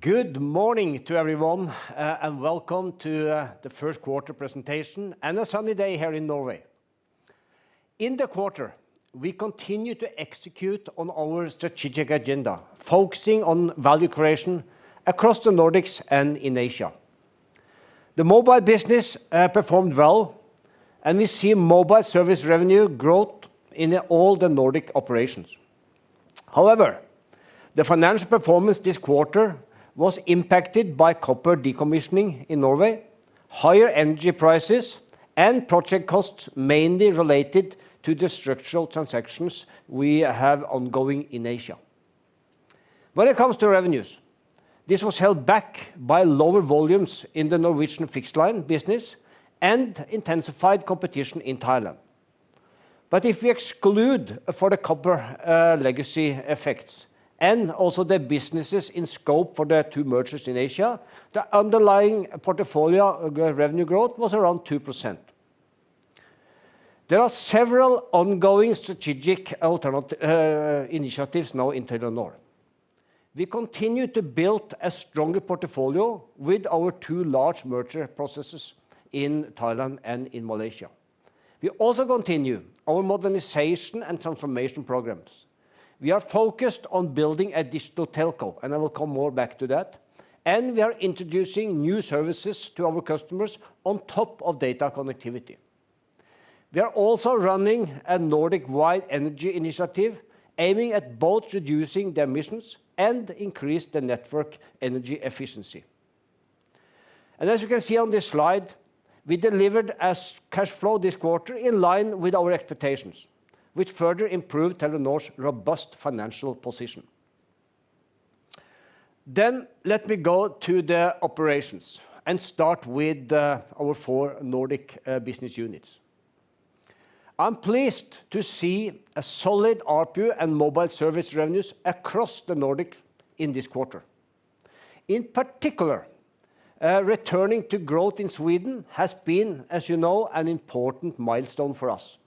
Good morning to everyone, and welcome to the Q1 presentation and a sunny day here in Norway. In the quarter, we continued to execute on our strategic agenda, focusing on value creation across the Nordics and in Asia. The mobile business performed well, and we see mobile service revenue growth in all the Nordic operations. However, the financial performance this quarter was impacted by copper decommissioning in Norway, higher energy prices, and project costs mainly related to the structural transactions we have ongoing in Asia. When it comes to revenues, this was held back by lower volumes in the Norwegian fixed line business and intensified competition in Thailand. If we exclude the copper legacy effects and also the businesses in scope for the two mergers in Asia, the underlying portfolio revenue growth was around 2%. There are several ongoing strategic initiatives now in Telenor. We continue to build a stronger portfolio with our two large merger processes in Thailand and in Malaysia. We also continue our modernization and transformation programs. We are focused on building a digital telco, and I will come more back to that, and we are introducing new services to our customers on top of data connectivity. We are also running a Nordic-wide energy initiative aiming at both reducing the emissions and increase the network energy efficiency. As you can see on this slide, we delivered a strong cash flow this quarter in line with our expectations, which further improved Telenor's robust financial position. Let me go to the operations and start with our four Nordic business units. I'm pleased to see a solid ARPU and mobile service revenues across the Nordics in this quarter. In particular, returning to growth in Sweden has been, as you know, an important milestone for us,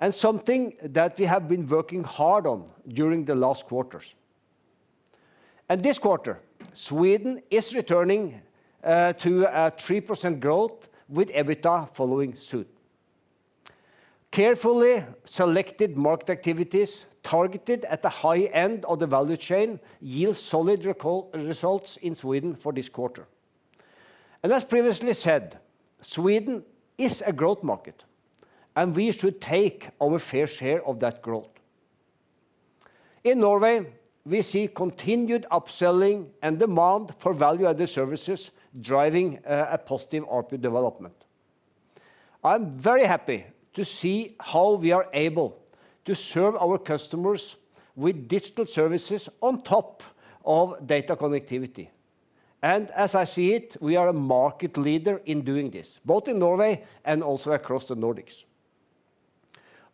and something that we have been working hard on during the last quarters. This quarter, Sweden is returning to a 3% growth with EBITDA following suit. Carefully selected market activities targeted at the high end of the value chain yield solid results in Sweden for this quarter. As previously said, Sweden is a growth market, and we should take our fair share of that growth. In Norway, we see continued upselling and demand for value-added services driving a positive ARPU development. I'm very happy to see how we are able to serve our customers with digital services on top of data connectivity. As I see it, we are a market leader in doing this, both in Norway and also across the Nordics.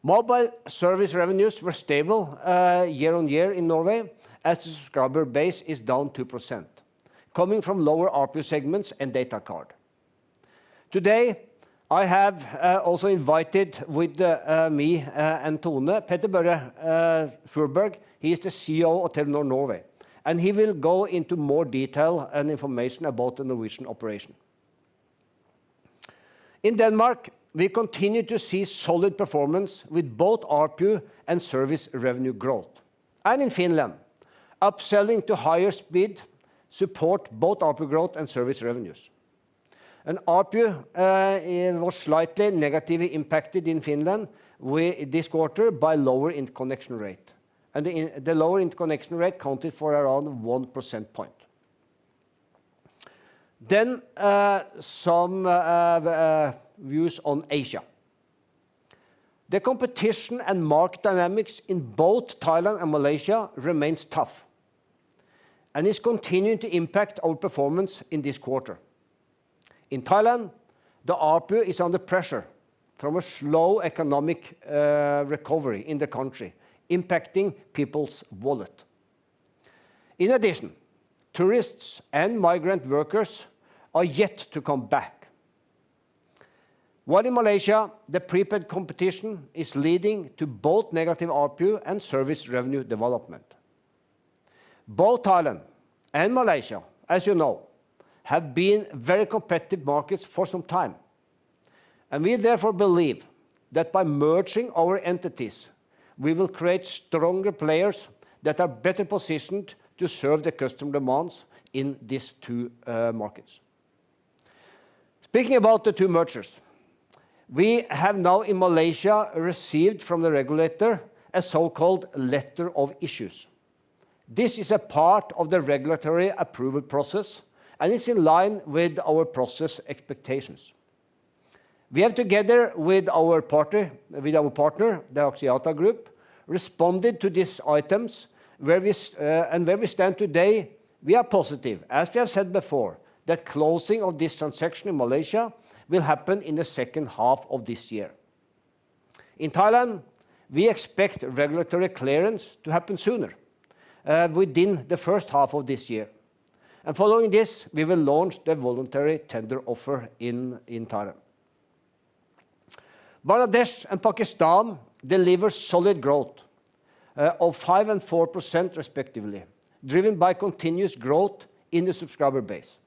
Mobile service revenues were stable year-on-year in Norway as the subscriber base is down 2%, coming from lower ARPU segments and data card. Today, I have also invited with me and Tone, Petter-Børre Furberg. He is the CEO of Telenor Norway, and he will go into more detail and information about the Norwegian operation. In Denmark, we continue to see solid performance with both ARPU and service revenue growth. In Finland, upselling to higher speed support both ARPU growth and service revenues. ARPU was slightly negatively impacted in Finland this quarter by lower interconnection rate. The lower interconnection rate accounted for around 1 percentage point. Some views on Asia. The competition and market dynamics in both Thailand and Malaysia remains tough and is continuing to impact our performance in this quarter. In Thailand, the ARPU is under pressure from a slow economic recovery in the country, impacting people's wallet. In addition, tourists and migrant workers are yet to come back. While in Malaysia, the prepaid competition is leading to both negative ARPU and service revenue development. Both Thailand and Malaysia, as you know, have been very competitive markets for some time, and we therefore believe that by merging our entities, we will create stronger players that are better positioned to serve the customer demands in these two markets. Speaking about the two mergers, we have now in Malaysia received from the regulator a so-called letter of issues. This is a part of the regulatory approval process and is in line with our process expectations. We have, together with our partner, the Axiata Group, responded to these items where we stand today, we are positive. As we have said before, that closing of this transaction in Malaysia will happen in the second half of this year. In Thailand, we expect regulatory clearance to happen sooner, within the first half of this year. Following this, we will launch the voluntary tender offer in Thailand. Bangladesh and Pakistan deliver solid growth of 5% and 4% respectively, driven by continuous growth in the subscriber base,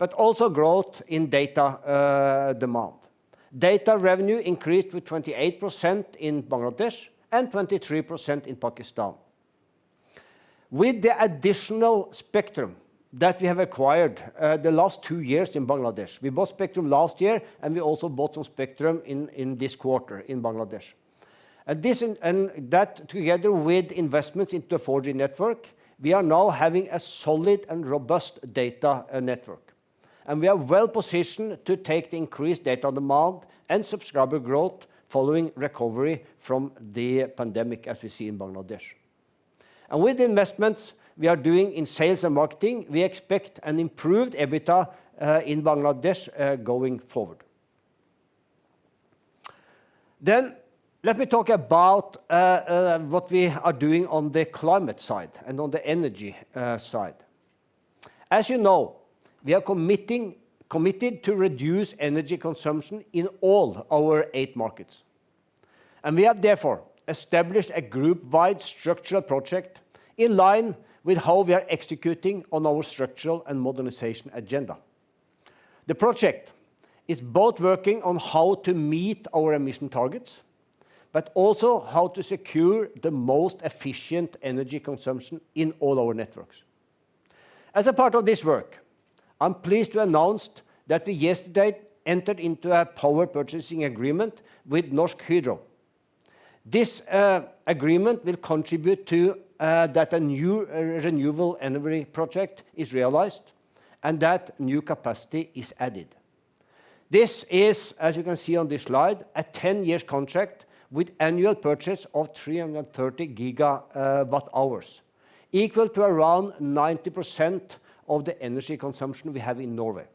but also growth in data demand. Data revenue increased with 28% in Bangladesh and 23% in Pakistan. With the additional spectrum that we have acquired, the last two years in Bangladesh, we bought spectrum last year, and we also bought some spectrum in this quarter in Bangladesh. This and that together with investments into a 4G network, we are now having a solid and robust data network. We are well-positioned to take the increased data demand and subscriber growth following recovery from the pandemic as we see in Bangladesh. With the investments we are doing in sales and marketing, we expect an improved EBITDA in Bangladesh going forward. Let me talk about what we are doing on the climate side and on the energy side. As you know, we are committed to reduce energy consumption in all our eight markets, and we have therefore established a group wide structural project in line with how we are executing on our structural and modernization agenda. The project is both working on how to meet our emission targets, but also how to secure the most efficient energy consumption in all our networks. As a part of this work, I'm pleased to announce that we yesterday entered into a power purchasing agreement with Norsk Hydro. This agreement will contribute to that a new renewable energy project is realized and that new capacity is added. This is, as you can see on this slide, a 10-year contract with annual purchase of 330 GWh, equal to around 90% of the energy consumption we have in Norway.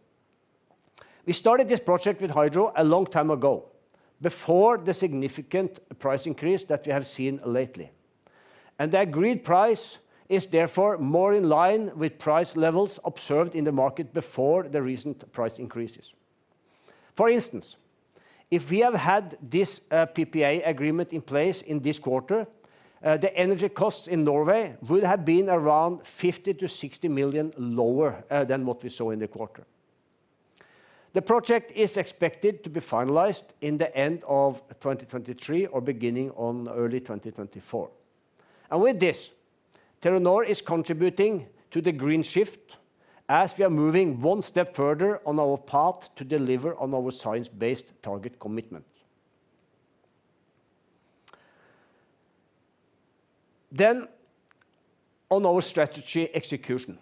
We started this project with Hydro a long time ago, before the significant price increase that we have seen lately. The agreed price is therefore more in line with price levels observed in the market before the recent price increases. For instance, if we have had this PPA agreement in place in this quarter, the energy costs in Norway would have been around 50 million-60 million lower than what we saw in the quarter. The project is expected to be finalized in the end of 2023 or beginning of early 2024. With this, Telenor is contributing to the green shift as we are moving one step further on our path to deliver on our Science-Based Target commitment. On our strategy execution.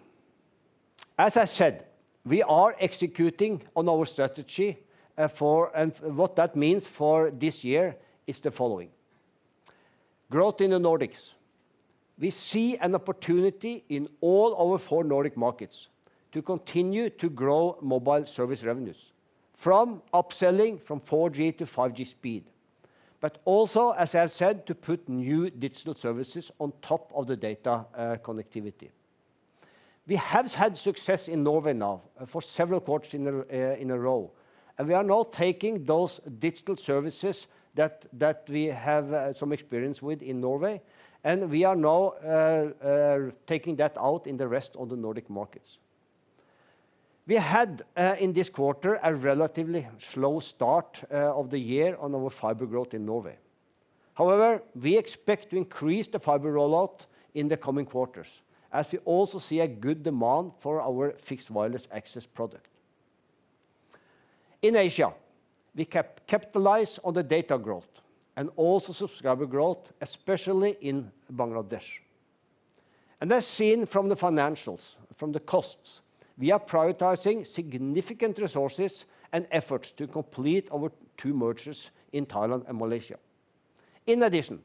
As I said, we are executing on our strategy for... What that means for this year is the following. Growth in the Nordics. We see an opportunity in all our four Nordic markets to continue to grow mobile service revenues from upselling from 4G to 5G speed, but also, as I have said, to put new digital services on top of the data connectivity. We have had success in Norway now for several quarters in a row, and we are now taking those digital services that we have some experience with in Norway, and we are now taking that out in the rest of the Nordic markets. We had in this quarter a relatively slow start of the year on our fiber growth in Norway. However, we expect to increase the fiber rollout in the coming quarters as we also see a good demand for our Fixed Wireless Access product. In Asia, we capitalize on the data growth and also subscriber growth, especially in Bangladesh. As seen from the financials, from the costs, we are prioritizing significant resources and efforts to complete our two mergers in Thailand and Malaysia. In addition,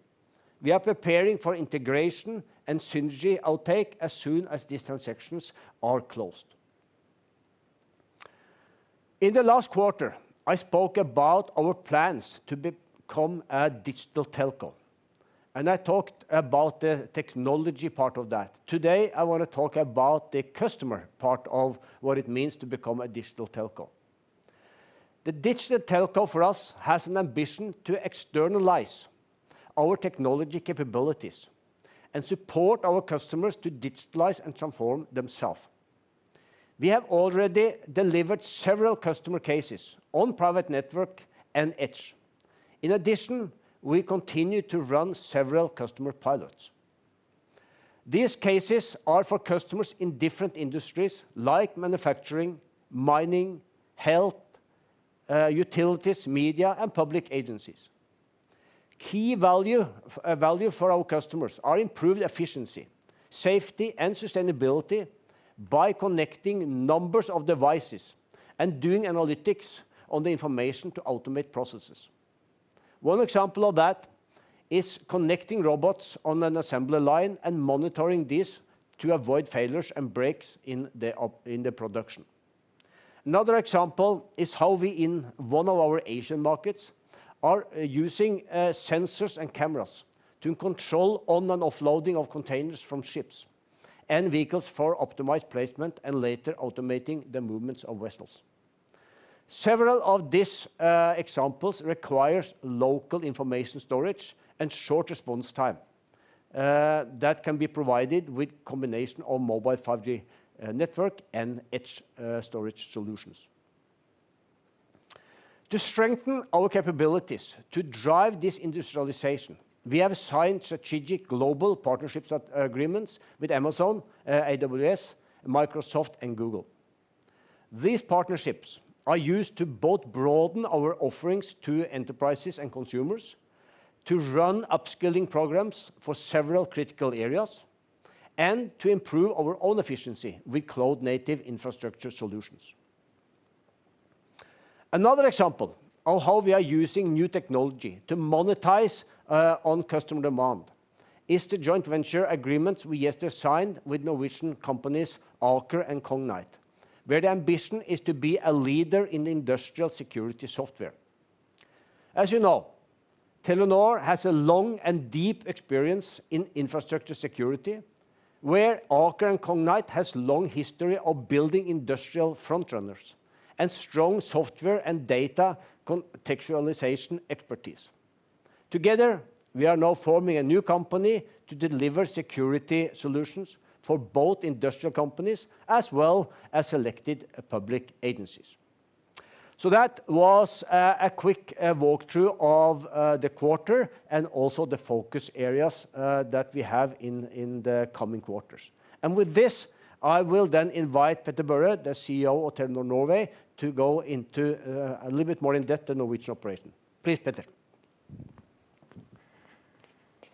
we are preparing for integration and synergy uptake as soon as these transactions are closed. In the last quarter, I spoke about our plans to become a digital telco, and I talked about the technology part of that. Today, I wanna talk about the customer part of what it means to become a digital telco. The digital telco for us has an ambition to externalize our technology capabilities and support our customers to digitalize and transform themselves. We have already delivered several customer cases on private network and Edge. In addition, we continue to run several customer pilots. These cases are for customers in different industries like manufacturing, mining, health, utilities, media, and public agencies. Key value for our customers are improved efficiency, safety, and sustainability by connecting numbers of devices and doing analytics on the information to automate processes. One example of that is connecting robots on an assembly line and monitoring this to avoid failures and breaks in the production. Another example is how we in one of our Asian markets are using sensors and cameras to control on and offloading of containers from ships and vehicles for optimized placement and later automating the movements of vessels. Several of these examples requires local information storage and short response time that can be provided with combination of mobile 5G network and edge storage solutions. To strengthen our capabilities to drive this industrialization, we have signed strategic global partnerships agreements with Amazon AWS, Microsoft, and Google. These partnerships are used to both broaden our offerings to enterprises and consumers to run upskilling programs for several critical areas and to improve our own efficiency with Cloud Native infrastructure solutions. Another example of how we are using new technology to monetize on customer demand is the joint venture agreements we just signed with Norwegian companies Aker and Cognite, where the ambition is to be a leader in industrial security software. As you know, Telenor has a long and deep experience in infrastructure security, where Aker and Cognite has long history of building industrial front runners and strong software and data contextualization expertise. Together, we are now forming a new company to deliver security solutions for both industrial companies as well as selected public agencies. That was a quick walkthrough of the quarter and also the focus areas that we have in the coming quarters. With this, I will then invite Petter-Børre Furberg, the CEO of Telenor Norway, to go into a little bit more in depth the Norwegian operation. Please, Petter.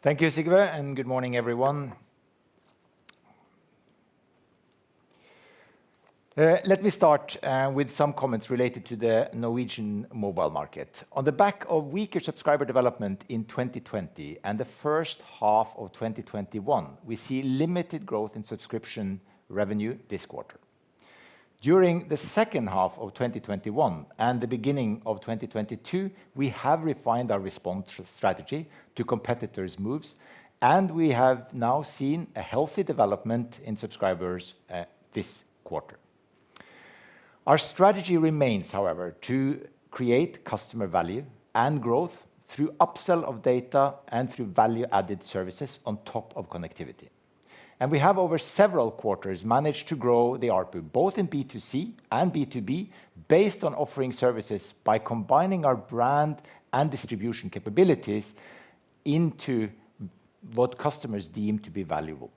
Thank you, Sigve, and good morning, everyone. Let me start with some comments related to the Norwegian mobile market. On the back of weaker subscriber development in 2020 and the first half of 2021, we see limited growth in subscription revenue this quarter. During the second half of 2021 and the beginning of 2022, we have refined our response strategy to competitors' moves, and we have now seen a healthy development in subscribers this quarter. Our strategy remains, however, to create customer value and growth through upsell of data and through value-added services on top of connectivity. We have over several quarters managed to grow the ARPU both in B2C and B2B based on offering services by combining our brand and distribution capabilities into what customers deem to be valuable.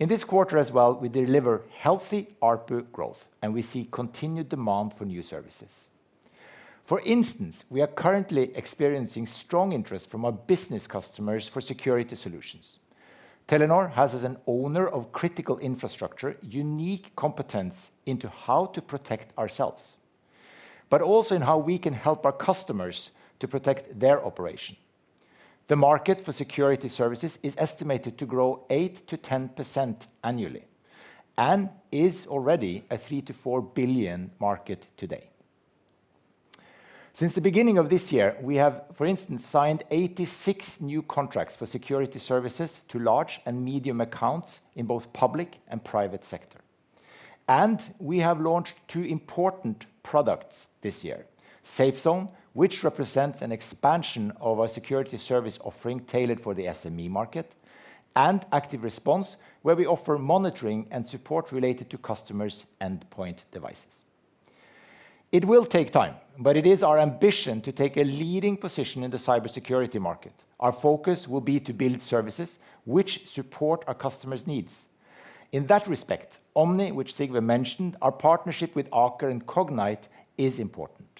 In this quarter as well, we deliver healthy ARPU growth, and we see continued demand for new services. For instance, we are currently experiencing strong interest from our business customers for security solutions. Telenor has, as an owner of critical infrastructure, unique competence into how to protect ourselves, but also in how we can help our customers to protect their operation. The market for security services is estimated to grow 8%-10% annually and is already a 3 billion-4 billion market today. Since the beginning of this year, we have, for instance, signed 86 new contracts for security services to large and medium accounts in both public and private sector. We have launched two important products this year. Safe Zone, which represents an expansion of our security service offering tailored for the SME market, and Active Response, where we offer monitoring and support related to customers' endpoint devices. It will take time, but it is our ambition to take a leading position in the cybersecurity market. Our focus will be to build services which support our customers' needs. In that respect, Omny, which Sigve mentioned, our partnership with Aker and Cognite is important.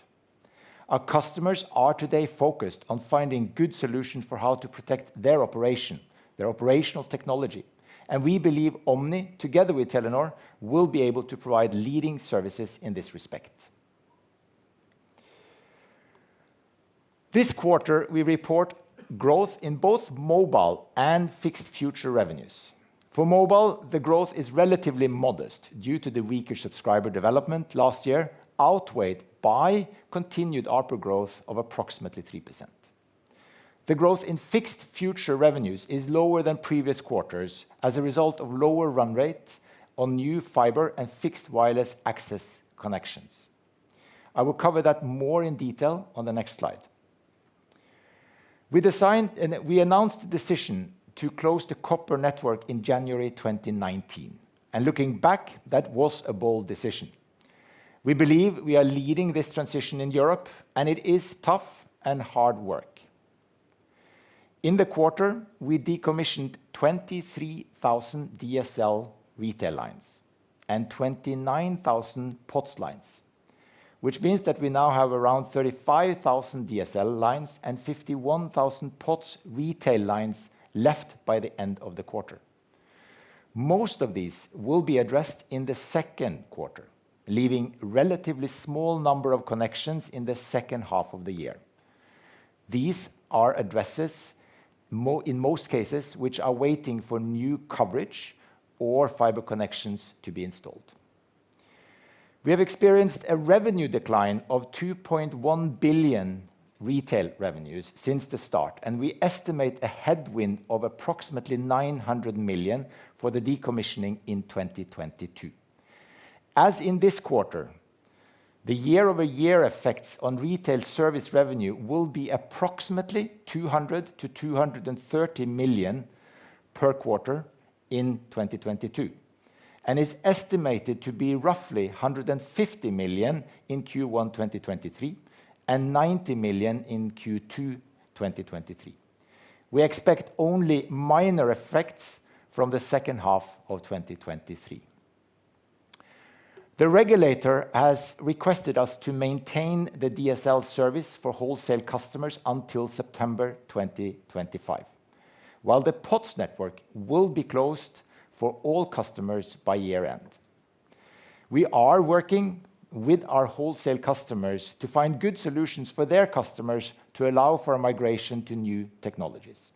Our customers are today focused on finding good solutions for how to protect their operation, their operational technology, and we believe Omny, together with Telenor, will be able to provide leading services in this respect. This quarter, we report growth in both mobile and fixed future revenues. For mobile, the growth is relatively modest due to the weaker subscriber development last year, outweighed by continued ARPU growth of approximately 3%. The growth in fixed future revenues is lower than previous quarters as a result of lower run rate on new fiber and Fixed Wireless Access connections. I will cover that more in detail on the next slide. We announced the decision to close the copper network in January 2019. Looking back, that was a bold decision. We believe we are leading this transition in Europe, and it is tough and hard work. In the quarter, we decommissioned 23,000 DSL retail lines and 29,000 POTS lines, which means that we now have around 35,000 DSL lines and 51,000 POTS retail lines left by the end of the quarter. Most of these will be addressed in the Q2, leaving relatively small number of connections in the second half of the year. These are addresses in most cases, which are waiting for new coverage or fiber connections to be installed. We have experienced a revenue decline of 2.1 billion in retail revenues since the start, and we estimate a headwind of approximately 900 million for the decommissioning in 2022. As in this quarter, the year-over-year effects on retail service revenue will be approximately 200-230 million per quarter in 2022, and is estimated to be roughly 150 million in Q1 2023 and NOK 90 million in Q2 2023. We expect only minor effects from the second half of 2023. The regulator has requested us to maintain the DSL service for wholesale customers until September 2025, while the POTS network will be closed for all customers by year-end. We are working with our wholesale customers to find good solutions for their customers to allow for a migration to new technologies.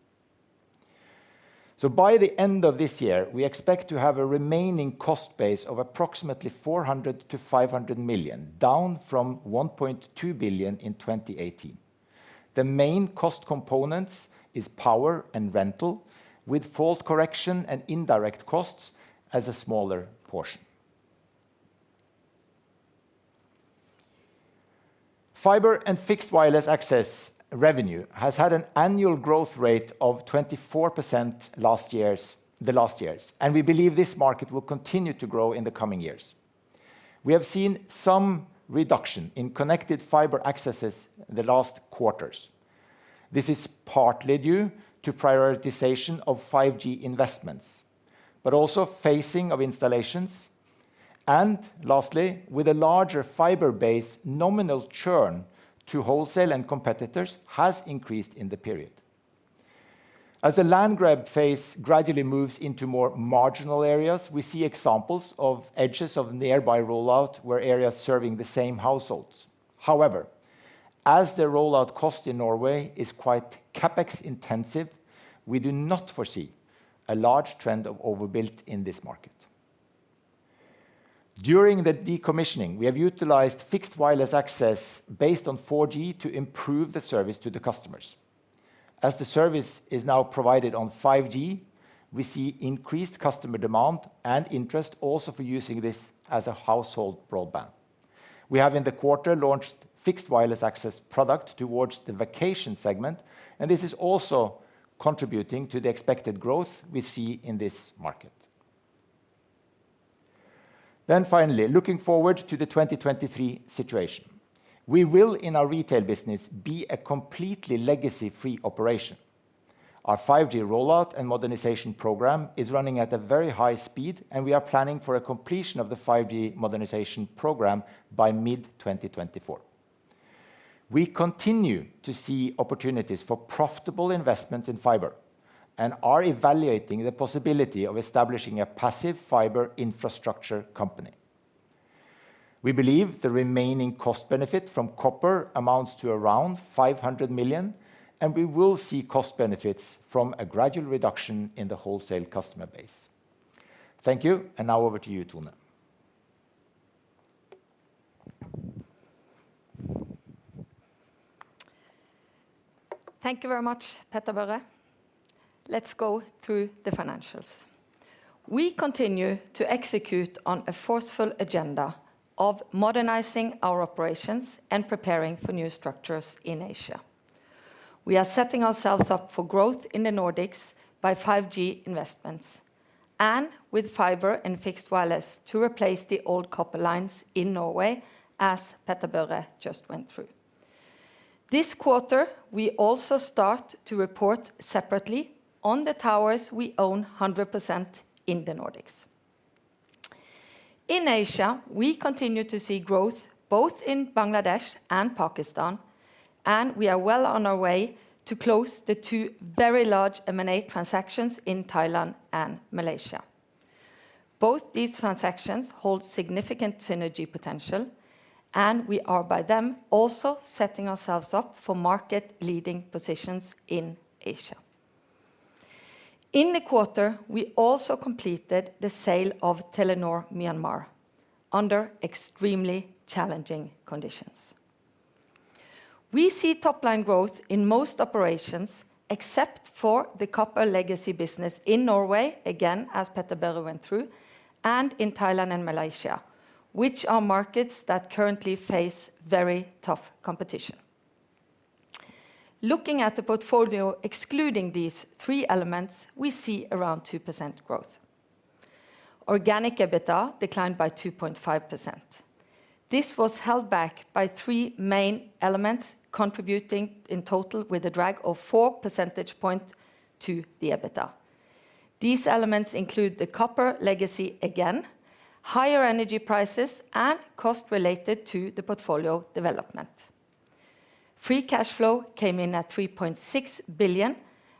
By the end of this year, we expect to have a remaining cost base of approximately 400 million-500 million, down from 1.2 billion in 2018. The main cost components is power and rental, with fault correction and indirect costs as a smaller portion. Fiber and Fixed Wireless Access revenue has had an annual growth rate of 24% the last years, and we believe this market will continue to grow in the coming years. We have seen some reduction in connected fiber accesses the last quarters. This is partly due to prioritization of 5G investments, but also phasing of installations. Lastly, with a larger fiber base, nominal churn to wholesale and competitors has increased in the period. As the land grab phase gradually moves into more marginal areas, we see examples of edges of nearby rollout where areas serving the same households. However, as the rollout cost in Norway is quite CapEx-intensive, we do not foresee a large trend of overbuilt in this market. During the decommissioning, we have utilized Fixed Wireless Access based on 4G to improve the service to the customers. As the service is now provided on 5G, we see increased customer demand and interest also for using this as a household broadband. We have in the quarter launched Fixed Wireless Access product towards the vacation segment, and this is also contributing to the expected growth we see in this market. Finally, looking forward to the 2023 situation. We will, in our retail business, be a completely legacy-free operation. Our 5G rollout and modernization program is running at a very high speed, and we are planning for a completion of the 5G modernization program by mid-2024. We continue to see opportunities for profitable investments in fiber and are evaluating the possibility of establishing a passive fiber infrastructure company. We believe the remaining cost benefit from copper amounts to around 500 million, and we will see cost benefits from a gradual reduction in the wholesale customer base. Thank you, and now over to you, Tone. Thank you very much, Petter-Børre Furberg. Let's go through the financials. We continue to execute on a forceful agenda of modernizing our operations and preparing for new structures in Asia. We are setting ourselves up for growth in the Nordics by 5G investments and with fiber and fixed wireless to replace the old copper lines in Norway, as Petter-Børre Furberg just went through. This quarter, we also start to report separately on the towers we own 100% in the Nordics. In Asia, we continue to see growth both in Bangladesh and Pakistan, and we are well on our way to close the two very large M&A transactions in Thailand and Malaysia. Both these transactions hold significant synergy potential, and we are by them also setting ourselves up for market-leading positions in Asia. In the quarter, we also completed the sale of Telenor Myanmar under extremely challenging conditions. We see top line growth in most operations, except for the copper legacy business in Norway, again, as Petter-Børre went through, and in Thailand and Malaysia, which are markets that currently face very tough competition. Looking at the portfolio, excluding these three elements, we see around 2% growth. Organic EBITDA declined by 2.5%. This was held back by three main elements contributing in total with a drag of 4 percentage points to the EBITDA. These elements include the copper legacy again, higher energy prices, and cost related to the portfolio development. Free cash flow came in at 3.6 billion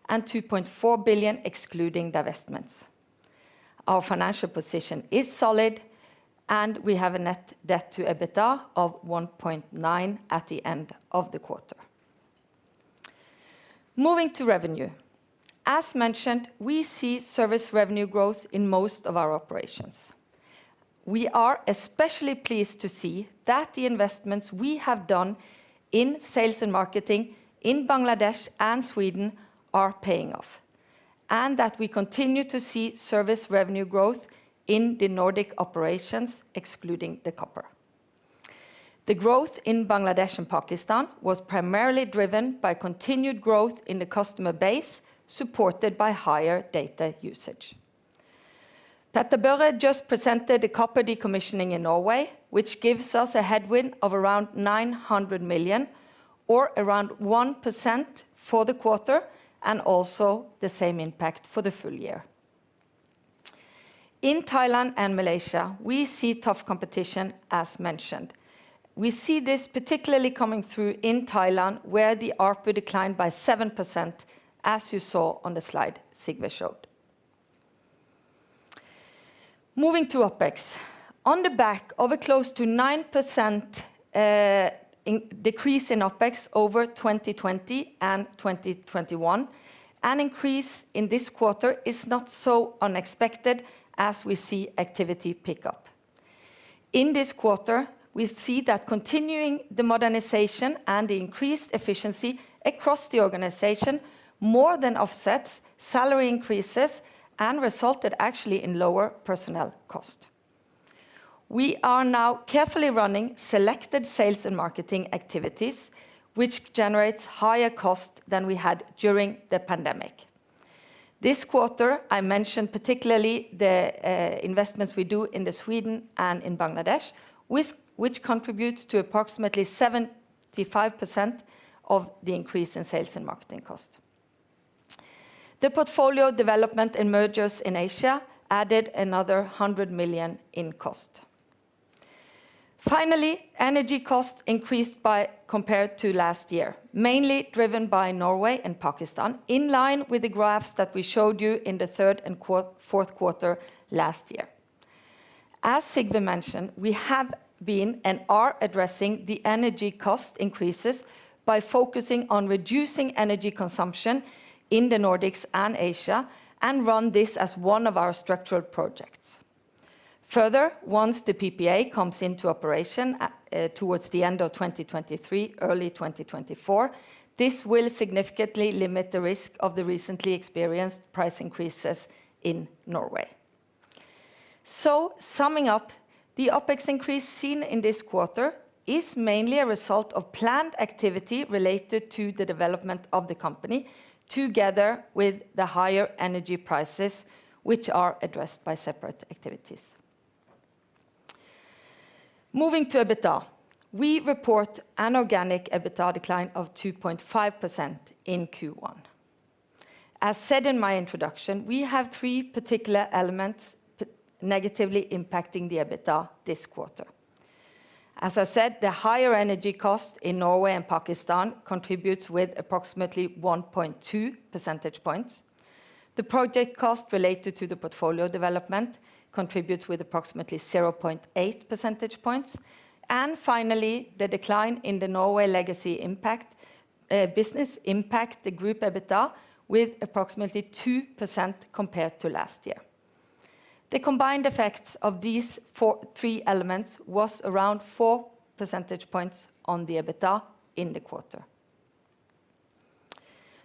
and 2.4 billion excluding divestments. Our financial position is solid, and we have a net debt to EBITDA of 1.9 at the end of the quarter. Moving to revenue. As mentioned, we see service revenue growth in most of our operations. We are especially pleased to see that the investments we have done in sales and marketing in Bangladesh and Sweden are paying off, and that we continue to see service revenue growth in the Nordic operations, excluding the copper. The growth in Bangladesh and Pakistan was primarily driven by continued growth in the customer base supported by higher data usage. Petter-Børre Furberg just presented the copper decommissioning in Norway, which gives us a headwind of around 900 million or around 1% for the quarter, and also the same impact for the full year. In Thailand and Malaysia, we see tough competition, as mentioned. We see this particularly coming through in Thailand, where the ARPU declined by 7%, as you saw on the slide Sigve Brekke showed. Moving to OpEx. On the back of a close to 9% decrease in OpEx over 2020 and 2021, an increase in this quarter is not so unexpected as we see activity pick up. In this quarter, we see that continuing the modernization and the increased efficiency across the organization more than offsets salary increases and resulted actually in lower personnel cost. We are now carefully running selected sales and marketing activities, which generates higher cost than we had during the pandemic. This quarter, I mentioned particularly the investments we do in Sweden and in Bangladesh, which contributes to approximately 75% of the increase in sales and marketing cost. The portfolio development and mergers in Asia added another 100 million in cost. Finally, energy costs increased by compared to last year, mainly driven by Norway and Pakistan, in line with the graphs that we showed you in the third and Q4 last year. As Sigve mentioned, we have been and are addressing the energy cost increases by focusing on reducing energy consumption in the Nordics and Asia, and run this as one of our structural projects. Further, once the PPA comes into operation towards the end of 2023, early 2024, this will significantly limit the risk of the recently experienced price increases in Norway. Summing up, the OpEx increase seen in this quarter is mainly a result of planned activity related to the development of the company, together with the higher energy prices which are addressed by separate activities. Moving to EBITDA. We report an organic EBITDA decline of 2.5% in Q1. As said in my introduction, we have three particular elements negatively impacting the EBITDA this quarter. As I said, the higher energy cost in Norway and Pakistan contributes with approximately 1.2 percentage points. The project cost related to the portfolio development contributes with approximately 0.8 percentage points. Finally, the decline in the Norway legacy impact business impacts the group EBITDA with approximately 2% compared to last year. The combined effects of these three elements was around four percentage points on the EBITDA in the quarter.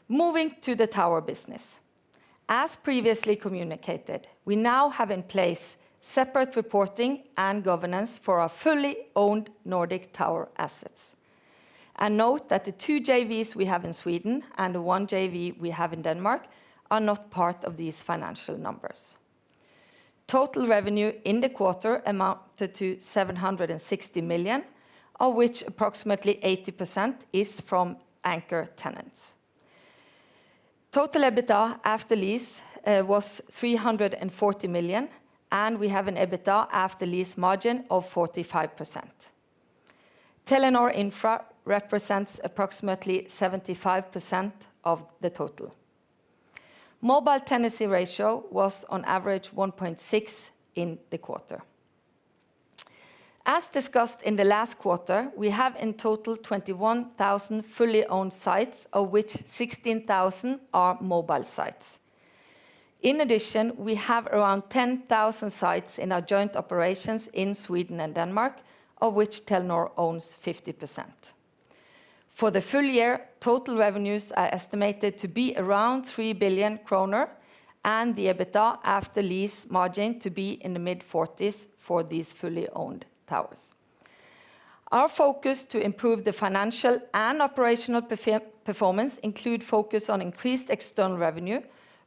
Moving to the tower business. As previously communicated, we now have in place separate reporting and governance for our fully owned Nordic tower assets. Note that the 2 JVs we have in Sweden and the 1 JV we have in Denmark are not part of these financial numbers. Total revenue in the quarter amounted to 760 million, of which approximately 80% is from anchor tenants. Total EBITDA after lease was 340 million, and we have an EBITDA after lease margin of 45%. Telenor Infra represents approximately 75% of the total. Mobile tenancy ratio was on average 1.6 in the quarter. As discussed in the last quarter, we have in total 21,000 fully owned sites, of which 16,000 are mobile sites. In addition, we have around 10,000 sites in our joint operations in Sweden and Denmark, of which Telenor owns 50%. For the full year, total revenues are estimated to be around 3 billion kroner, and the EBITDA after lease margin to be in the mid-40s% for these fully owned towers. Our focus to improve the financial and operational performance include focus on increased external revenue,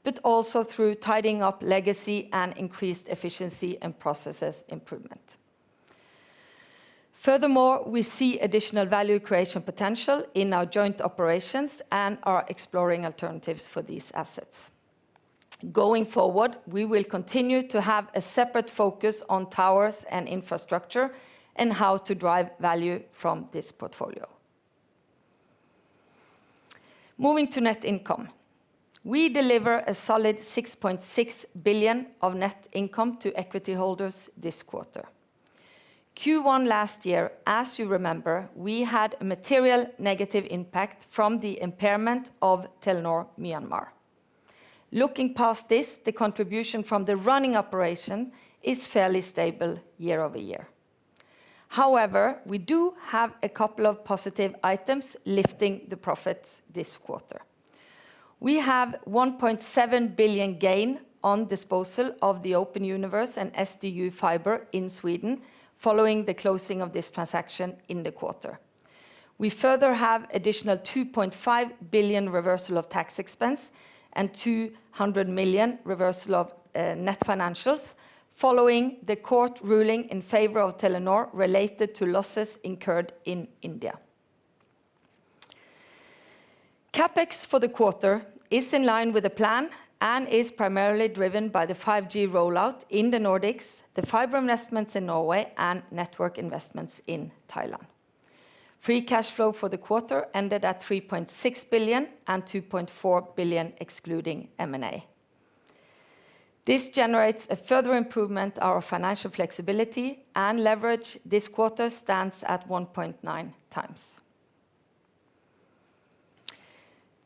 but also through tidying up legacy and increased efficiency and processes improvement. Furthermore, we see additional value creation potential in our joint operations and are exploring alternatives for these assets. Going forward, we will continue to have a separate focus on towers and infrastructure and how to drive value from this portfolio. Moving to net income. We deliver a solid 6.6 billion of net income to equity holders this quarter. Q1 last year, as you remember, we had a material negative impact from the impairment of Telenor Myanmar. Looking past this, the contribution from the running operation is fairly stable year-over-year. However, we do have a couple of positive items lifting the profits this quarter. We have 1.7 billion gain on disposal of the Open Universe and SDU fiber in Sweden following the closing of this transaction in the quarter. We further have additional 2.5 billion reversal of tax expense and 200 million reversal of net financials following the court ruling in favor of Telenor related to losses incurred in India. CapEx for the quarter is in line with the plan and is primarily driven by the 5G rollout in the Nordics, the fiber investments in Norway, and network investments in Thailand. Free cash flow for the quarter ended at 3.6 billion and 2.4 billion excluding M&A. This generates a further improvement in our financial flexibility and leverage this quarter stands at 1.9 times.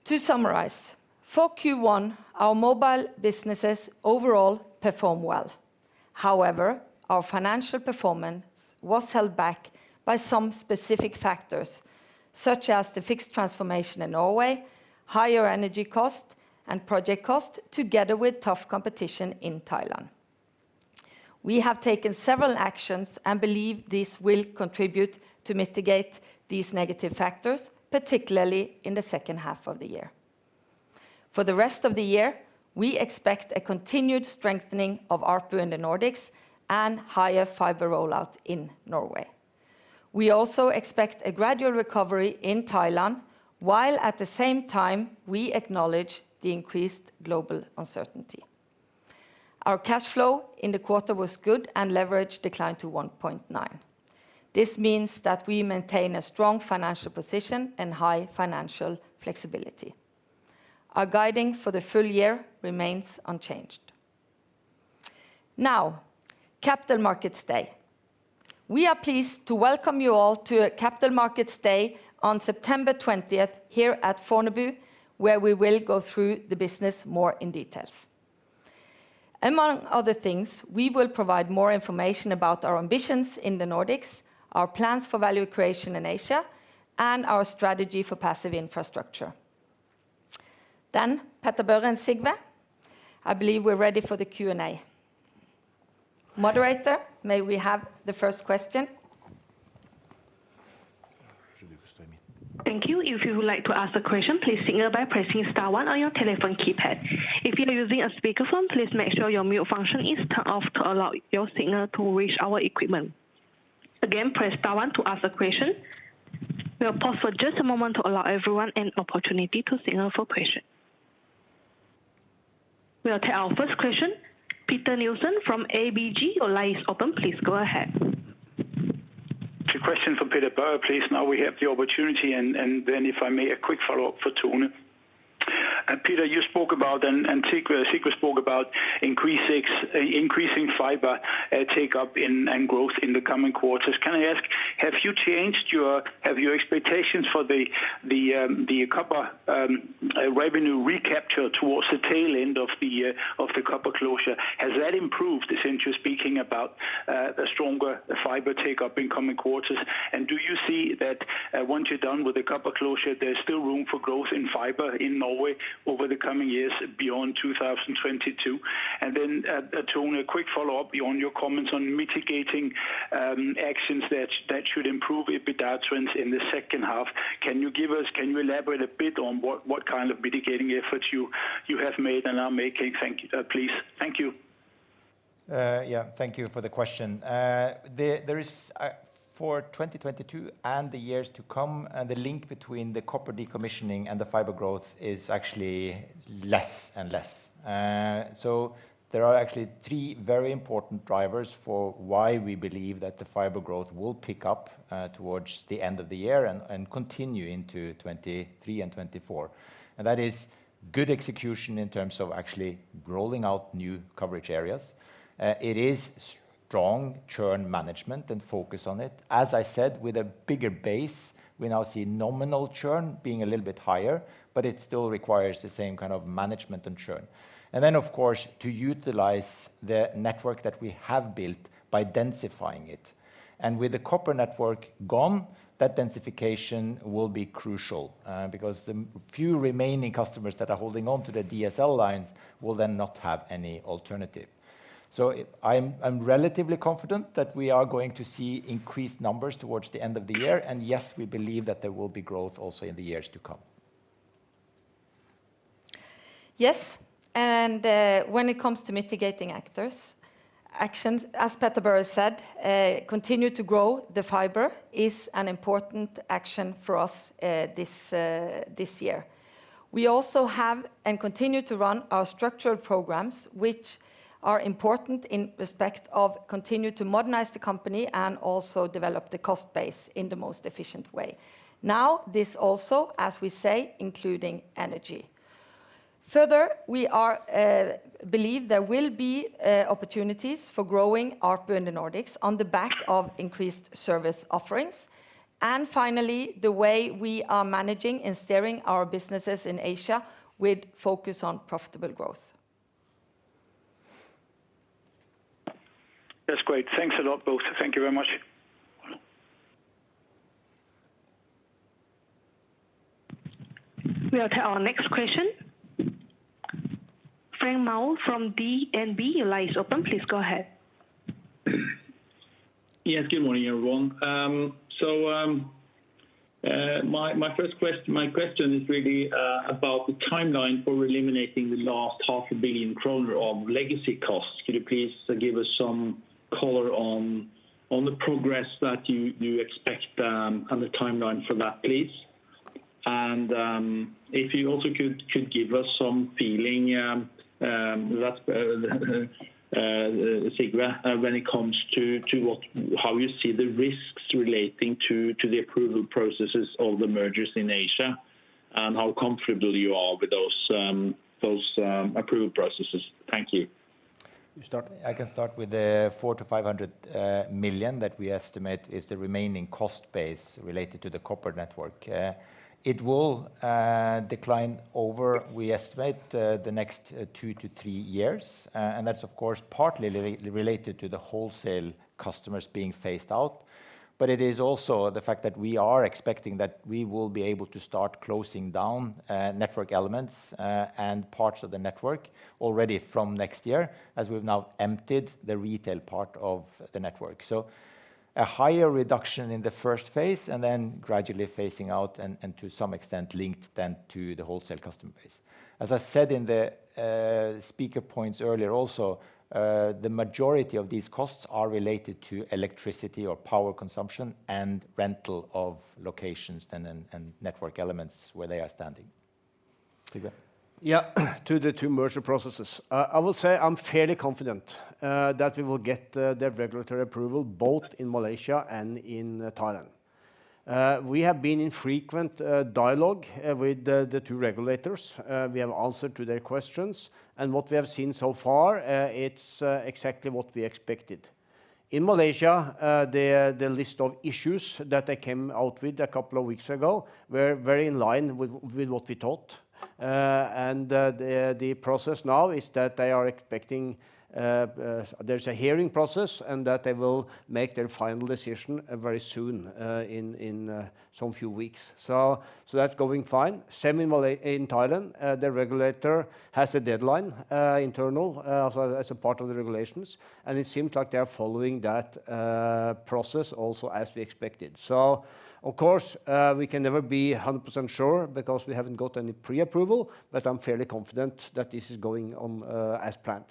To summarize, for Q1, our mobile businesses overall perform well. However, our financial performance was held back by some specific factors, such as the fixed transformation in Norway, higher energy cost and project cost, together with tough competition in Thailand. We have taken several actions and believe this will contribute to mitigate these negative factors, particularly in the second half of the year. For the rest of the year, we expect a continued strengthening of ARPU in the Nordics and higher fiber rollout in Norway. We also expect a gradual recovery in Thailand, while at the same time we acknowledge the increased global uncertainty. Our cash flow in the quarter was good and leverage declined to 1.9. This means that we maintain a strong financial position and high financial flexibility. Our guidance for the full year remains unchanged. Now, Capital Markets Day. We are pleased to welcome you all to a Capital Markets Day on September 20 here at Fornebu, where we will go through the business more in details. Among other things, we will provide more information about our ambitions in the Nordics, our plans for value creation in Asia, and our strategy for passive infrastructure. Petter-Børre Furberg and Sigve Brekke, I believe we're ready for the Q&A. Moderator, may we have the first question? Thank you. If you would like to ask a question, please signal by pressing star one on your telephone keypad. If you're using a speakerphone, please make sure your mute function is turned off to allow your signal to reach our equipment. Again, press star one to ask a question. We'll pause for just a moment to allow everyone an opportunity to signal for question. We'll take our first question. Peter Nielsen from ABG Sundal Collier. Your line is open. Please go ahead. Two questions for Petter-Børre Furberg, please. Now we have the opportunity, and then if I may, a quick follow-up for Tone Hegland Bachke. Petter-Børre Furberg, you spoke about, and Sigve Brekke spoke about increasing fiber take-up and growth in the coming quarters. Can I ask, have you changed your expectations for the copper revenue recapture towards the tail end of the year of the copper closure? Has that improved since you're speaking about a stronger fiber take-up in coming quarters? Do you see that once you're done with the copper closure, there's still room for growth in fiber in Norway over the coming years beyond 2022? Then, Tone Hegland Bachke, a quick follow-up on your comments on mitigating actions that should improve EBITDA trends in the second half. Can you elaborate a bit on what kind of mitigating efforts you have made and are making? Thank you, please. Thank you. Yes. When it comes to mitigating actions, as Petter-Børre Furberg said, continue to grow the fiber is an important action for us, this year. We also have and continue to run our structural programs, which are important in respect of continue to modernize the company and also develop the cost base in the most efficient way. Now, this also, as we say, including energy. Further, we believe there will be opportunities for growing our business in the Nordics on the back of increased service offerings. Finally, the way we are managing and steering our businesses in Asia with focus on profitable growth. That's great. Thanks a lot, both. Thank you very much. We'll take our next question. Frank Maaø from DNB. Your line is open. Please go ahead. Good morning, everyone. My first question is really about the timeline for eliminating the last half a billion kroner of legacy costs. Could you please give us some color on the progress that you expect and the timeline for that, please? If you also could give us some feeling, Sigve, when it comes to how you see the risks relating to the approval processes of the mergers in Asia, and how comfortable you are with those approval processes. Thank you. You start. I can start with the 400 million-500 million that we estimate is the remaining cost base related to the copper network. It will decline over, we estimate, the next 2-3 years. That's of course, partly related to the wholesale customers being phased out. It is also the fact that we are expecting that we will be able to start closing down network elements and parts of the network already from next year as we've now emptied the retail part of the network. A higher reduction in the first phase, and then gradually phasing out and to some extent linked then to the wholesale customer base. As I said in the speaker points earlier also, the majority of these costs are related to electricity or power consumption and rental of locations then and network elements where they are standing. Sigve. Yeah. To the two merger processes. I will say I'm fairly confident that we will get the regulatory approval both in Malaysia and in Thailand. We have been in frequent dialogue with the two regulators. We have answered to their questions, and what we have seen so far, it's exactly what we expected. In Malaysia, the list of issues that they came out with a couple of weeks ago were very in line with what we thought. The process now is that they are expecting, there's a hearing process and that they will make their final decision very soon, in some few weeks. That's going fine. Same in Thailand. The regulator has a deadline, internal, as a part of the regulations, and it seems like they are following that process also as we expected. Of course, we can never be 100% sure because we haven't got any pre-approval, but I'm fairly confident that this is going on as planned.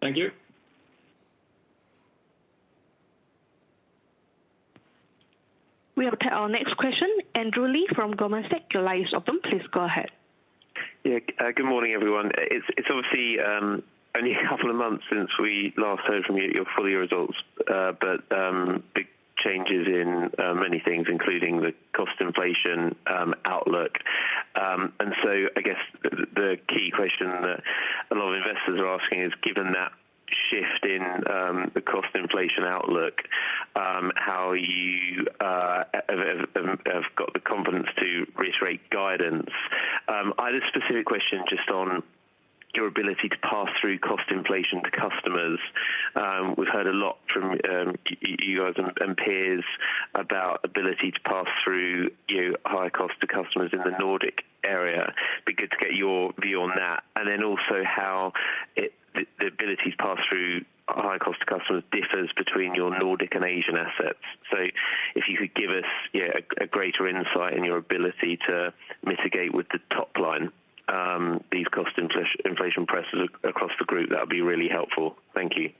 Thank you. We will take our next question. Andrew Lee from Goldman Sachs. Your line is open. Please go ahead. Yeah. Good morning, everyone. It's obviously only a couple of months since we last heard from you for your results, but big changes in many things, including the cost inflation outlook. I guess the key question that a lot of investors are asking is, given that shift in the cost inflation outlook, how you have got the confidence to reiterate guidance. I had a specific question just on your ability to pass through cost inflation to customers. We've heard a lot from you guys and peers about ability to pass through your higher cost to customers in the Nordic area. It would be good to get your view on that. Also how it. The ability to pass through higher cost to customers differs between your Nordic and Asian assets. If you could give us, yeah, a greater insight in your ability to mitigate with the top line, these cost inflation pressures across the group, that would be really helpful. Thank you.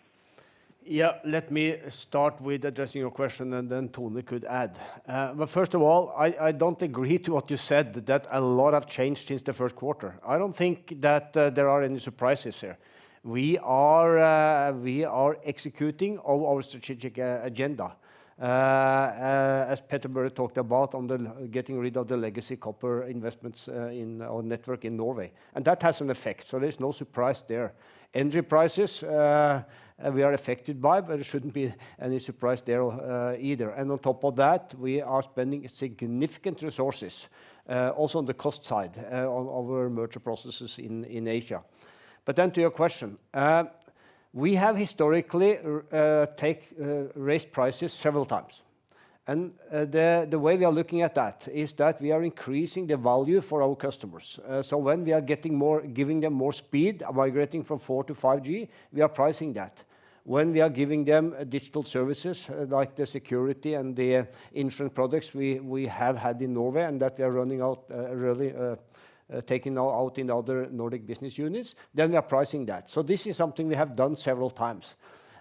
Yeah. Let me start with addressing your question, and then Tone could add. But first of all, I don't agree to what you said that a lot have changed since the Q1.I don't think that there are any surprises here. We are executing our strategic agenda. As Petter Berg talked about on the getting rid of the legacy copper investments in our network in Norway, and that has an effect, so there's no surprise there. Energy prices we are affected by, but it shouldn't be any surprise there either. On top of that, we are spending significant resources also on the cost side of our merger processes in Asia. Then to your question, we have historically raised prices several times. The way we are looking at that is that we are increasing the value for our customers. When we are giving them more speed, migrating from 4G to 5G, we are pricing that. When we are giving them digital services, like the security and the insurance products we have had in Norway and that we are rolling out, really taking now out in other Nordic business units, then we are pricing that. This is something we have done several times.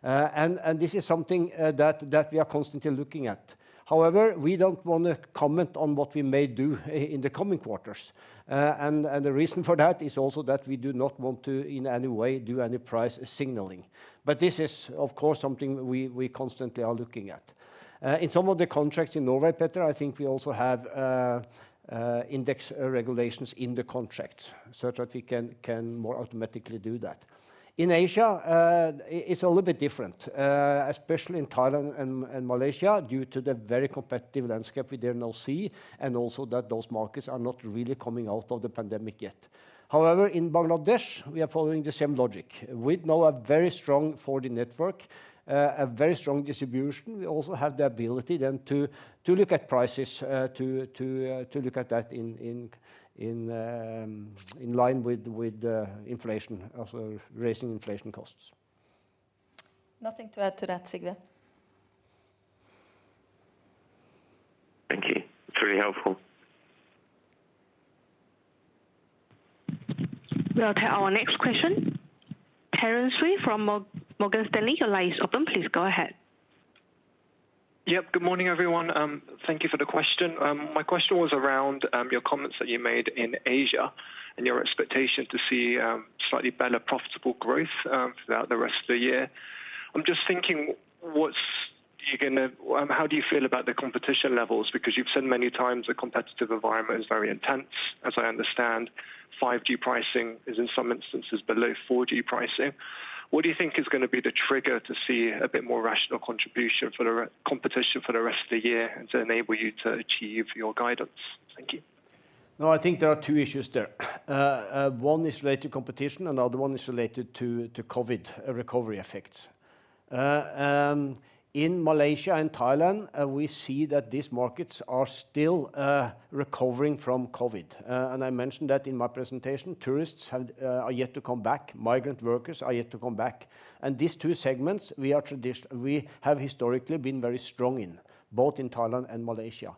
This is something that we are constantly looking at. However, we don't wanna comment on what we may do in the coming quarters. The reason for that is also that we do not want to, in any way, do any price signaling. This is, of course, something we constantly are looking at. In some of the contracts in Norway, Petter, I think we also have index regulations in the contracts such that we can more automatically do that. In Asia, it's a little bit different, especially in Thailand and Malaysia due to the very competitive landscape we there now see, and also that those markets are not really coming out of the pandemic yet. However, in Bangladesh, we are following the same logic. We now have very strong 4G network, a very strong distribution. We also have the ability then to look at prices, to look at that in line with inflation of raising inflation costs. Nothing to add to that, Sigve. Thank you. It's very helpful. We'll take our next question. Terence Tsui from Morgan Stanley, your line is open. Please go ahead. Yep, good morning, everyone. Thank you for the question. My question was around your comments that you made in Asia and your expectation to see slightly better profitable growth throughout the rest of the year. I'm just thinking, how do you feel about the competition levels? Because you've said many times the competitive environment is very intense. As I understand, 5G pricing is in some instances below 4G pricing. What do you think is gonna be the trigger to see a bit more rational competition for the rest of the year to enable you to achieve your guidance? Thank you. No, I think there are two issues there. One is related to competition, another one is related to COVID recovery effects. In Malaysia and Thailand, we see that these markets are still recovering from COVID. I mentioned that in my presentation. Tourists are yet to come back, migrant workers are yet to come back. These two segments we have historically been very strong in, both in Thailand and Malaysia.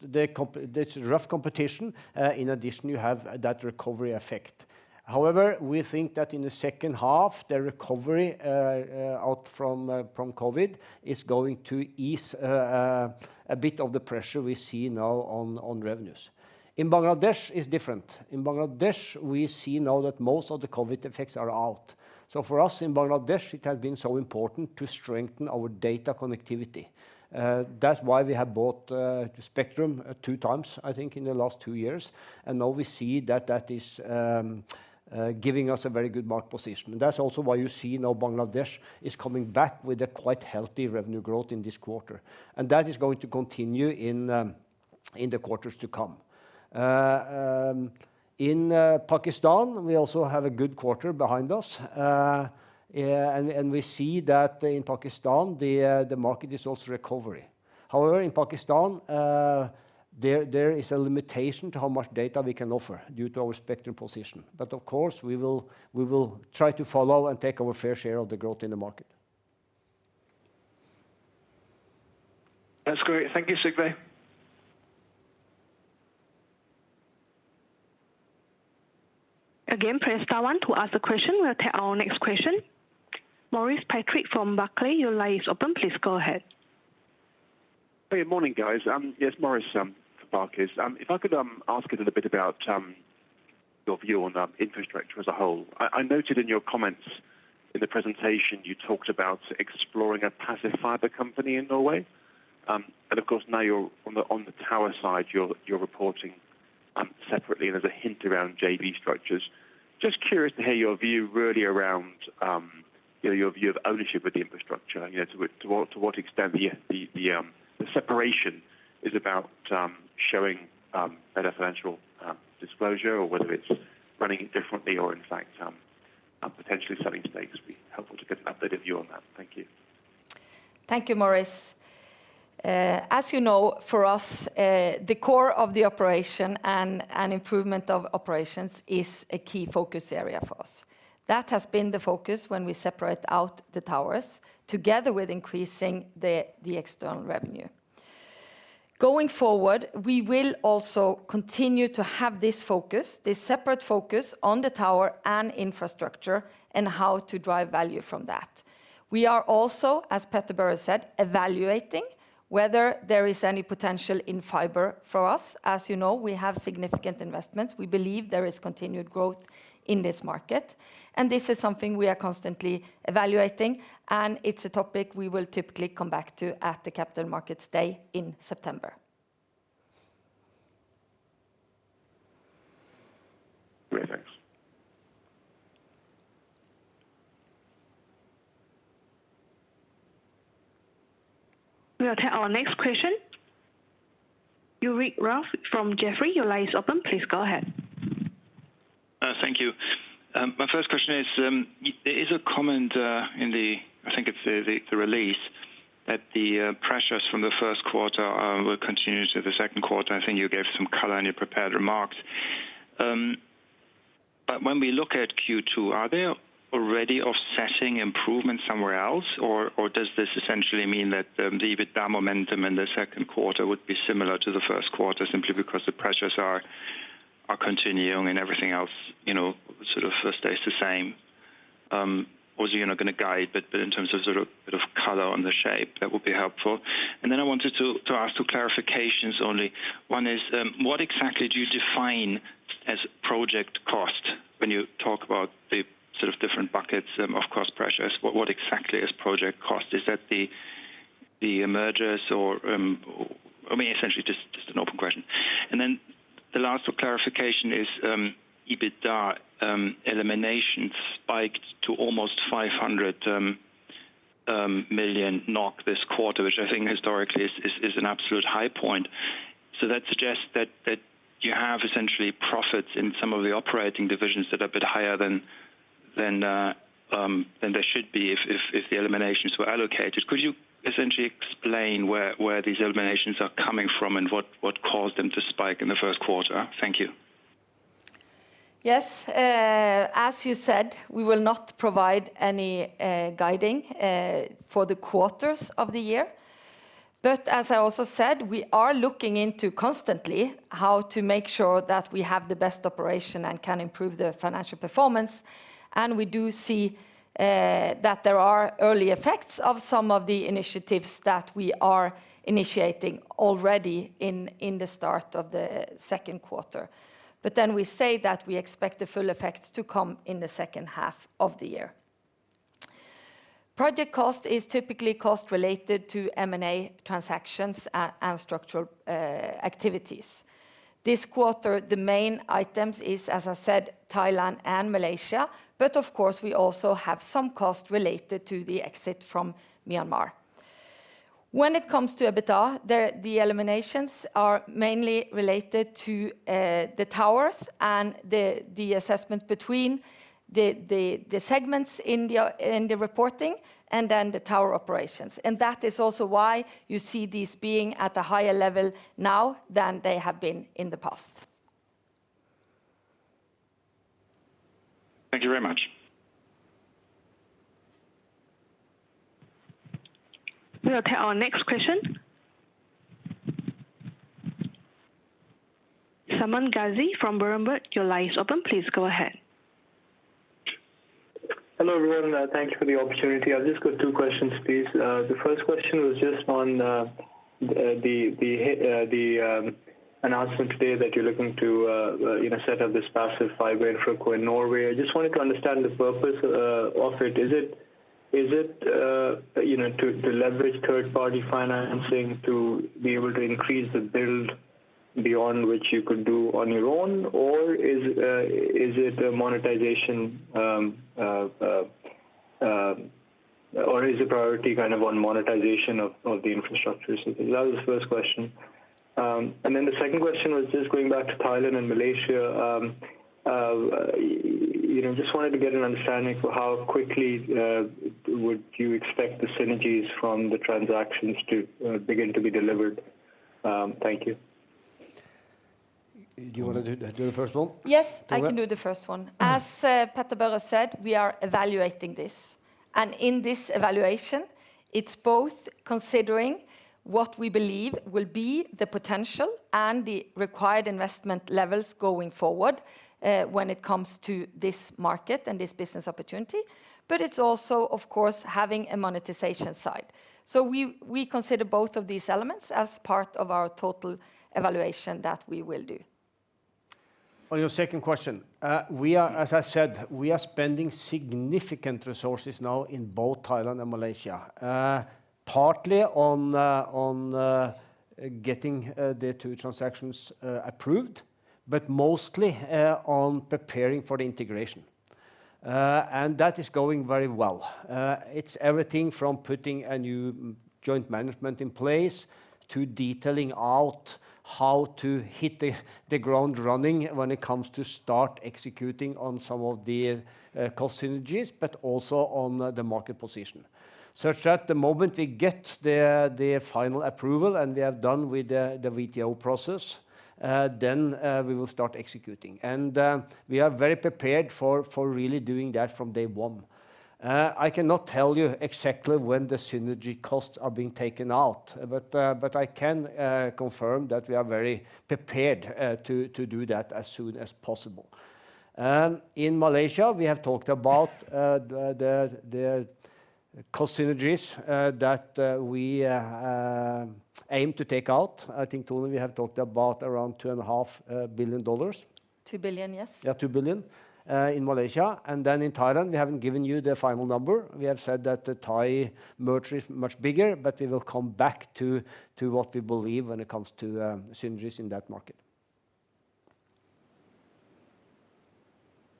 This tough competition, in addition, you have that recovery effect. However, we think that in the second half, the recovery from COVID is going to ease a bit of the pressure we see now on revenues. In Bangladesh, it's different. In Bangladesh, we see now that most of the COVID effects are out. For us in Bangladesh, it has been so important to strengthen our data connectivity. That's why we have bought the spectrum two times, I think, in the last two years. Now we see that that is giving us a very good market position. That's also why you see now Bangladesh is coming back with a quite healthy revenue growth in this quarter. That is going to continue in the quarters to come. In Pakistan, we also have a good quarter behind us. We see that in Pakistan, the market is also recovering. However, in Pakistan, there is a limitation to how much data we can offer due to our spectrum position. Of course, we will try to follow and take our fair share of the growth in the market. That's great. Thank you, Sigve. Again, press star one to ask a question. We'll take our next question. Maurice Patrick from Barclays, your line is open. Please go ahead. Hey, good morning, guys. Yes, Maurice from Barclays. If I could ask a little bit about your view on infrastructure as a whole. I noted in your comments in the presentation you talked about exploring a passive fiber company in Norway. Of course, now you're on the tower side, you're reporting separately, and there's a hint around JV structures. Just curious to hear your view really around, you know, your view of ownership with the infrastructure, you know, to what extent the separation is about showing better financial disclosure or whether it's running it differently or in fact potentially selling stakes. It'd be helpful to get an updated view on that. Thank you. Thank you, Maurice. As you know, for us, the core of the operation and improvement of operations is a key focus area for us. That has been the focus when we separate out the towers together with increasing the external revenue. Going forward, we will also continue to have this focus, this separate focus on the tower and infrastructure and how to drive value from that. We are also, as Petter-Børre Furberg said, evaluating whether there is any potential in fiber for us. As you know, we have significant investments. We believe there is continued growth in this market, and this is something we are constantly evaluating, and it's a topic we will typically come back to at the Capital Markets Day in September. Great. Thanks. We'll take our next question. Ulrich Rathe from Jefferies, your line is open. Please go ahead. Thank you. My first question is, there is a comment in the, I think it's the release that the pressures from the Q1 will continue to the Q2. I think you gave some color in your prepared remarks. But when we look at Q2, are there already offsetting improvements somewhere else, or does this essentially mean that the EBITDA momentum in the Q2 would be similar to the Q1 simply because the pressures are continuing and everything else, you know, sort of stays the same? Obviously you're not gonna guide, but in terms of sort of, bit of color on the shape, that would be helpful. I wanted to ask two clarifications only. One is, what exactly do you define as project cost when you talk about the sort of different buckets of cost pressures? What exactly is project cost? Is that the The mergers or, I mean, essentially just an open question. Then the last for clarification is, EBITDA elimination spiked to almost 500 million NOK this quarter, which I think historically is an absolute high point. That suggests that you have essentially profits in some of the operating divisions that are a bit higher than they should be if the eliminations were allocated. Could you essentially explain where these eliminations are coming from and what caused them to spike in the Q1? Thank you. Yes. As you said, we will not provide any guidance for the quarters of the year. As I also said, we are looking into constantly how to make sure that we have the best operation and can improve the financial performance. We do see that there are early effects of some of the initiatives that we are initiating already in the start of the Q2. Then we say that we expect the full effects to come in the second half of the year. Project costs are typically costs related to M&A transactions and structural activities. This quarter, the main items are, as I said, Thailand and Malaysia, but of course, we also have some costs related to the exit from Myanmar. When it comes to EBITDA, the eliminations are mainly related to the towers and the assessment between the segments in the reporting and then the tower operations. That is also why you see these being at a higher level now than they have been in the past. Thank you very much. We'll take our next question. Saman Gharehgozlou from Berenberg, your line is open. Please go ahead. Hello, everyone. Thank you for the opportunity. I've just got two questions, please. The first question was just on the announcement today that you're looking to you know set up this passive fiber infra in Norway. I just wanted to understand the purpose of it. Is it you know to leverage third-party financing to be able to increase the build beyond which you could do on your own? Or is it a monetization or is the priority kind of on monetization of the infrastructure? So that was the first question. The second question was just going back to Thailand and Malaysia. You know, just wanted to get an understanding for how quickly would you expect the synergies from the transactions to begin to be delivered? Thank you. Do you wanna do the first one? Yes, I can do the first one. As Petter-Børre Furberg said, we are evaluating this. In this evaluation, it's both considering what we believe will be the potential and the required investment levels going forward, when it comes to this market and this business opportunity. It's also, of course, having a monetization side. We consider both of these elements as part of our total evaluation that we will do. On your second question, as I said, we are spending significant resources now in both Thailand and Malaysia. Partly on getting the two transactions approved, but mostly on preparing for the integration. That is going very well. It's everything from putting a new joint management in place to detailing out how to hit the ground running when it comes to start executing on some of the cost synergies, but also on the market position. Such that the moment we get the final approval and we are done with the VTO process, then we will start executing. We are very prepared for really doing that from day one. I cannot tell you exactly when the synergy costs are being taken out, but I can confirm that we are very prepared to do that as soon as possible. In Malaysia, we have talked about the cost synergies that we aim to take out. I think, Tone, we have talked about around $2.5 billion. NOK 2 billion, yes. Yeah, $2 billion in Malaysia. In Thailand, we haven't given you the final number. We have said that the Thai merger is much bigger, but we will come back to what we believe when it comes to synergies in that market.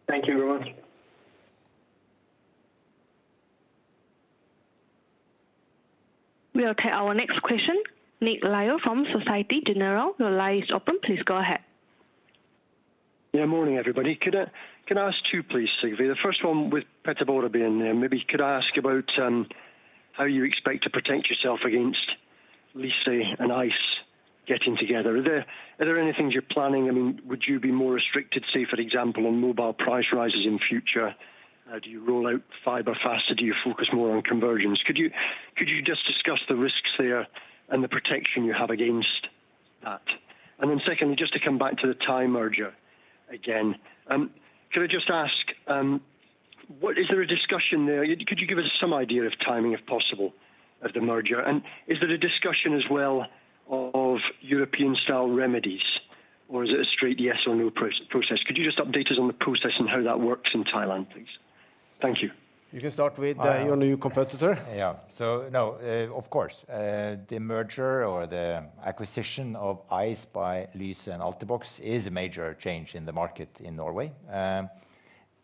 Thank you very much. We'll take our next question. Nick Lyall from Société Générale. Your line is open. Please go ahead. Yeah. Morning, everybody. Could I ask two, please, Sigve? The first one with Petter-Børre Furberg being there. Maybe could I ask about how you expect to protect yourself against, let's say, an Ice getting together. Are there any things you're planning? I mean, would you be more restricted, say, for example, on mobile price rises in future? Do you roll out fiber faster? Do you focus more on conversions? Could you just discuss the risks there and the protection you have against that? Then secondly, just to come back to the Thai merger again. Could I just ask what is there a discussion there? Could you give us some idea of timing, if possible, of the merger? And is there a discussion as well of European-style remedies, or is it a straight yes or no process? Could you just update us on the process and how that works in Thailand, please? Thank you. You can start with. Your new competitor. Of course, the merger or the acquisition of Ice by Lyse and Altibox is a major change in the market in Norway.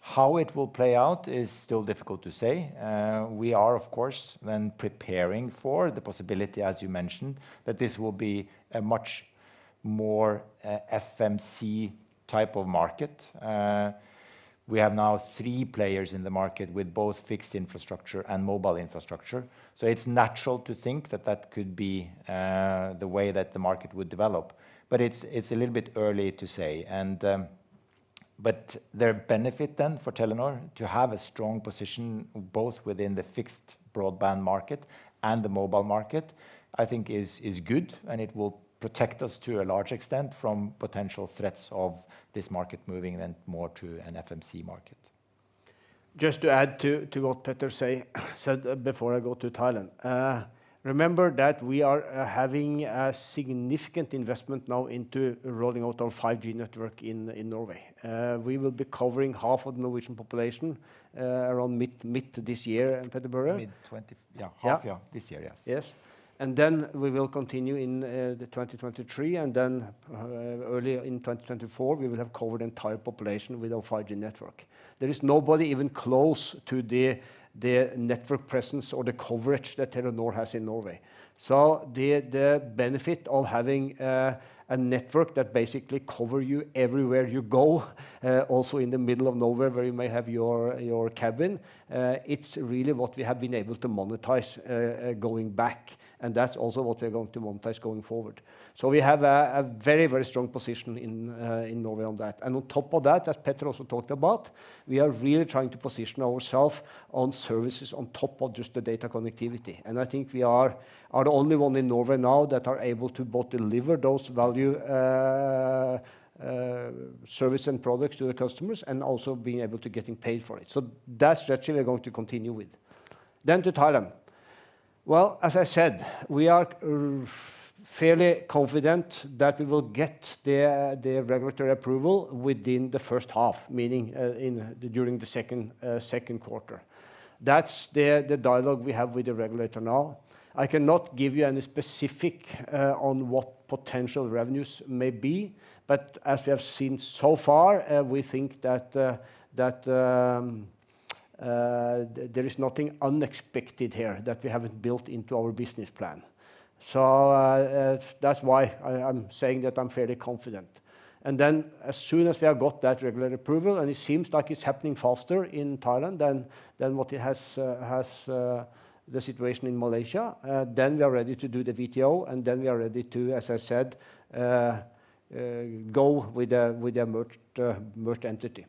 How it will play out is still difficult to say. We are of course then preparing for the possibility, as you mentioned, that this will be a much more FMC type of market. We have now three players in the market with both fixed infrastructure and mobile infrastructure, so it's natural to think that that could be the way that the market would develop. It's a little bit early to say. The benefit then for Telenor to have a strong position both within the fixed broadband market and the mobile market, I think is good and it will protect us to a large extent from potential threats of this market moving then more to an FMC market. Just to add to what Petter said before I go to Thailand. Remember that we are having a significant investment now into rolling out our 5G network in Norway. We will be covering half of the Norwegian population around mid this year, Petter-Børre Furberg. Mid-twenty. Yeah. Yeah. Half year. This year, yes. Yes. Then we will continue in the 2023, and then early in 2024, we will have covered entire population with our 5G network. There is nobody even close to the network presence or the coverage that Telenor has in Norway. The benefit of having a network that basically cover you everywhere you go, also in the middle of nowhere where you may have your cabin, it's really what we have been able to monetize going back, and that's also what we are going to monetize going forward. We have a very strong position in Norway on that. On top of that, as Petter also talked about, we are really trying to position ourself on services on top of just the data connectivity. I think we are the only one in Norway now that are able to both deliver those value-added service and products to the customers and also being able to getting paid for it. That strategy we are going to continue with. To Thailand. As I said, we are fairly confident that we will get the regulatory approval within the first half, meaning during the Q2. That's the dialogue we have with the regulator now. I cannot give you any specifics on what potential revenues may be, but as we have seen so far, we think that there is nothing unexpected here that we haven't built into our business plan. That's why I'm saying that I'm fairly confident. As soon as we have got that regulatory approval, and it seems like it's happening faster in Thailand than what it has the situation in Malaysia, then we are ready to do the VTO, and then we are ready to, as I said, go with the merged entity.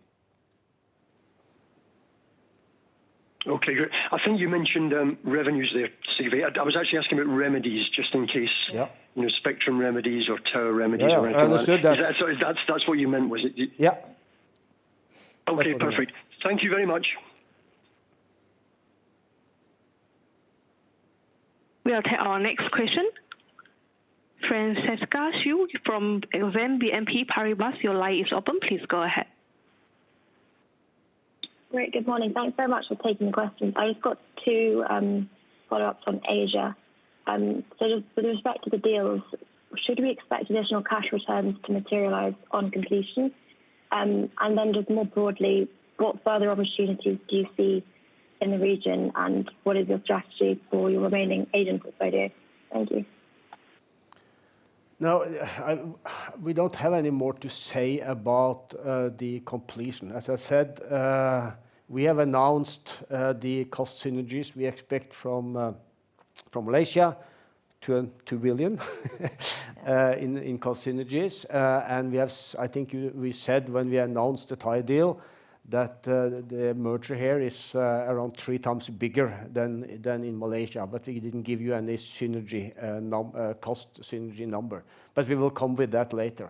Okay, great. I think you mentioned revenues there, Sigve. I was actually asking about remedies just in case. Yeah. You know, spectrum remedies or tower remedies or anything like. Yeah, I understood that. That's what you meant, was it? Yeah. Okay, perfect. Thank you very much. We'll take our next question. Francesca Schild from Exane BNP Paribas, your line is open. Please go ahead. Great. Good morning. Thanks very much for taking the question. I've got two follow-ups on Asia. Just with respect to the deals, should we expect additional cash returns to materialize on completion? Just more broadly, what further opportunities do you see in the region, and what is your strategy for your remaining Asian exposure? Thank you. No, we don't have any more to say about the completion. As I said, we have announced the cost synergies we expect from Malaysia, $2 billion in cost synergies. We said when we announced the Thai deal that the merger here is around three times bigger than in Malaysia, but we didn't give you any cost synergy number. We will come with that later.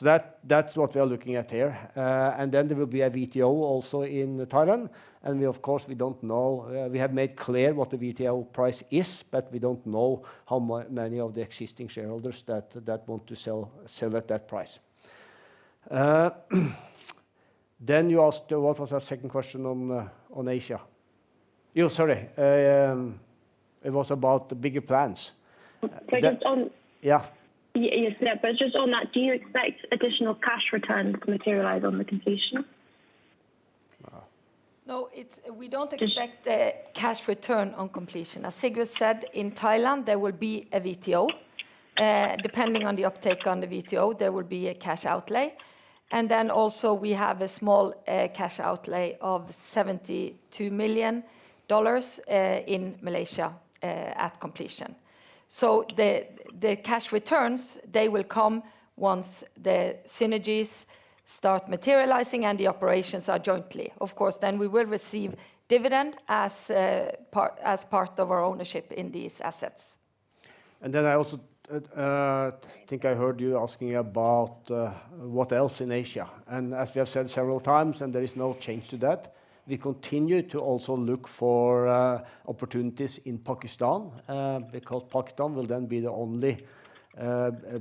That's what we are looking at here. There will be a VTO also in Thailand, and we of course don't know. We have made clear what the VTO price is, but we don't know how many of the existing shareholders that want to sell at that price. You asked, what was your second question on Asia? You, sorry, it was about the bigger plans. Just on. Yeah. Yes. Yeah. Just on that, do you expect additional cash returns to materialize on the completion? Uh. No, we don't expect a cash return on completion. As Sigve said, in Thailand, there will be a VTO. Depending on the uptake on the VTO, there will be a cash outlay. We have a small cash outlay of $72 million in Malaysia at completion. The cash returns, they will come once the synergies start materializing and the operations are jointly. Of course, then we will receive dividend as part as part of our ownership in these assets. Then I also think I heard you asking about what else in Asia. As we have said several times, and there is no change to that, we continue to also look for opportunities in Pakistan, because Pakistan will then be the only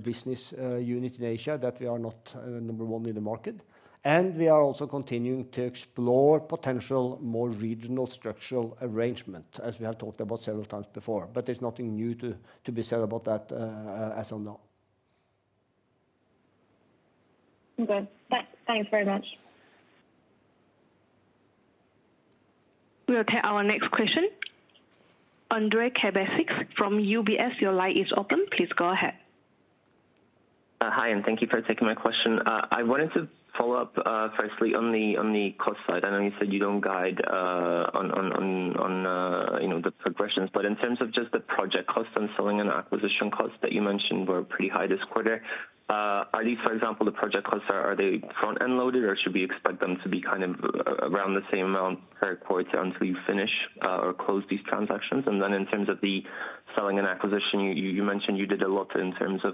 business unit in Asia that we are not number one in the market. We are also continuing to explore potential more regional structural arrangement, as we have talked about several times before. There's nothing new to be said about that, as of now. Okay. Thanks very much. We'll take our next question. Ondrej Cabejsek from UBS, your line is open. Please go ahead. Hi, and thank you for taking my question. I wanted to follow up, firstly on the cost side. I know you said you don't guide on you know, the progressions, but in terms of just the project costs and selling and acquisition costs that you mentioned were pretty high this quarter. Are these, for example, the project costs, are they front-end loaded, or should we expect them to be kind of around the same amount per quarter until you finish or close these transactions? In terms of the selling and acquisition, you mentioned you did a lot in terms of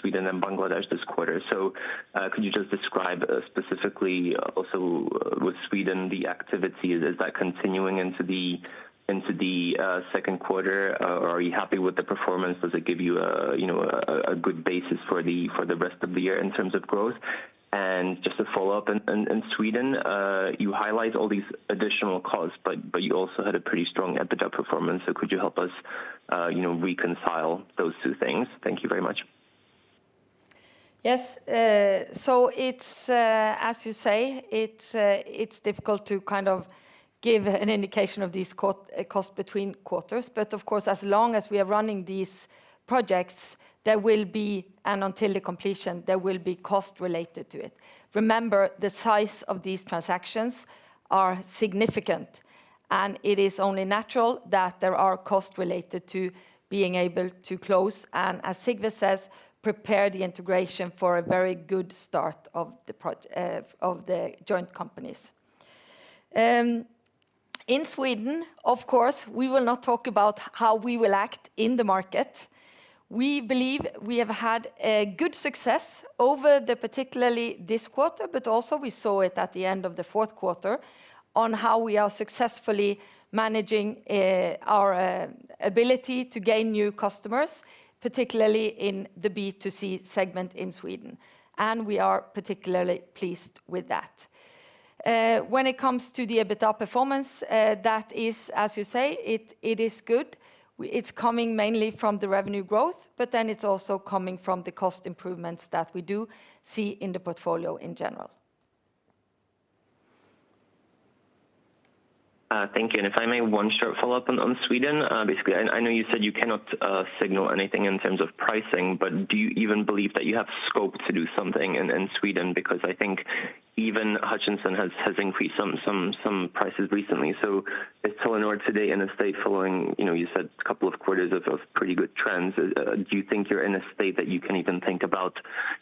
Sweden and Bangladesh this quarter. Could you just describe specifically also with Sweden the activity? Is that continuing into the Q2? Are you happy with the performance? Does it give you a good basis for the rest of the year in terms of growth? Just to follow up, in Sweden, you highlight all these additional costs, but you also had a pretty strong EBITDA performance. Could you help us, you know, reconcile those two things? Thank you very much. Yes, it's as you say, it's difficult to kind of give an indication of these costs between quarters. Of course, as long as we are running these projects, there will be, and until the completion, there will be costs related to it. Remember, the size of these transactions are significant, and it is only natural that there are costs related to being able to close, and as Sigve says, prepare the integration for a very good start of the joint companies. In Sweden, of course, we will not talk about how we will act in the market. We believe we have had a good success over the particularly this quarter, but also we saw it at the end of the Q4 on how we are successfully managing our ability to gain new customers, particularly in the B2C segment in Sweden. We are particularly pleased with that. When it comes to the EBITDA performance, that is, as you say, it is good. It's coming mainly from the revenue growth, but then it's also coming from the cost improvements that we do see in the portfolio in general. Thank you. If I may, one short follow-up on Sweden. Basically, I know you said you cannot signal anything in terms of pricing, but do you even believe that you have scope to do something in Sweden? Because I think even Hutchison has increased some prices recently. Is Telenor today in a state following, you know, you said a couple of quarters of pretty good trends. Do you think you're in a state that you can even think about,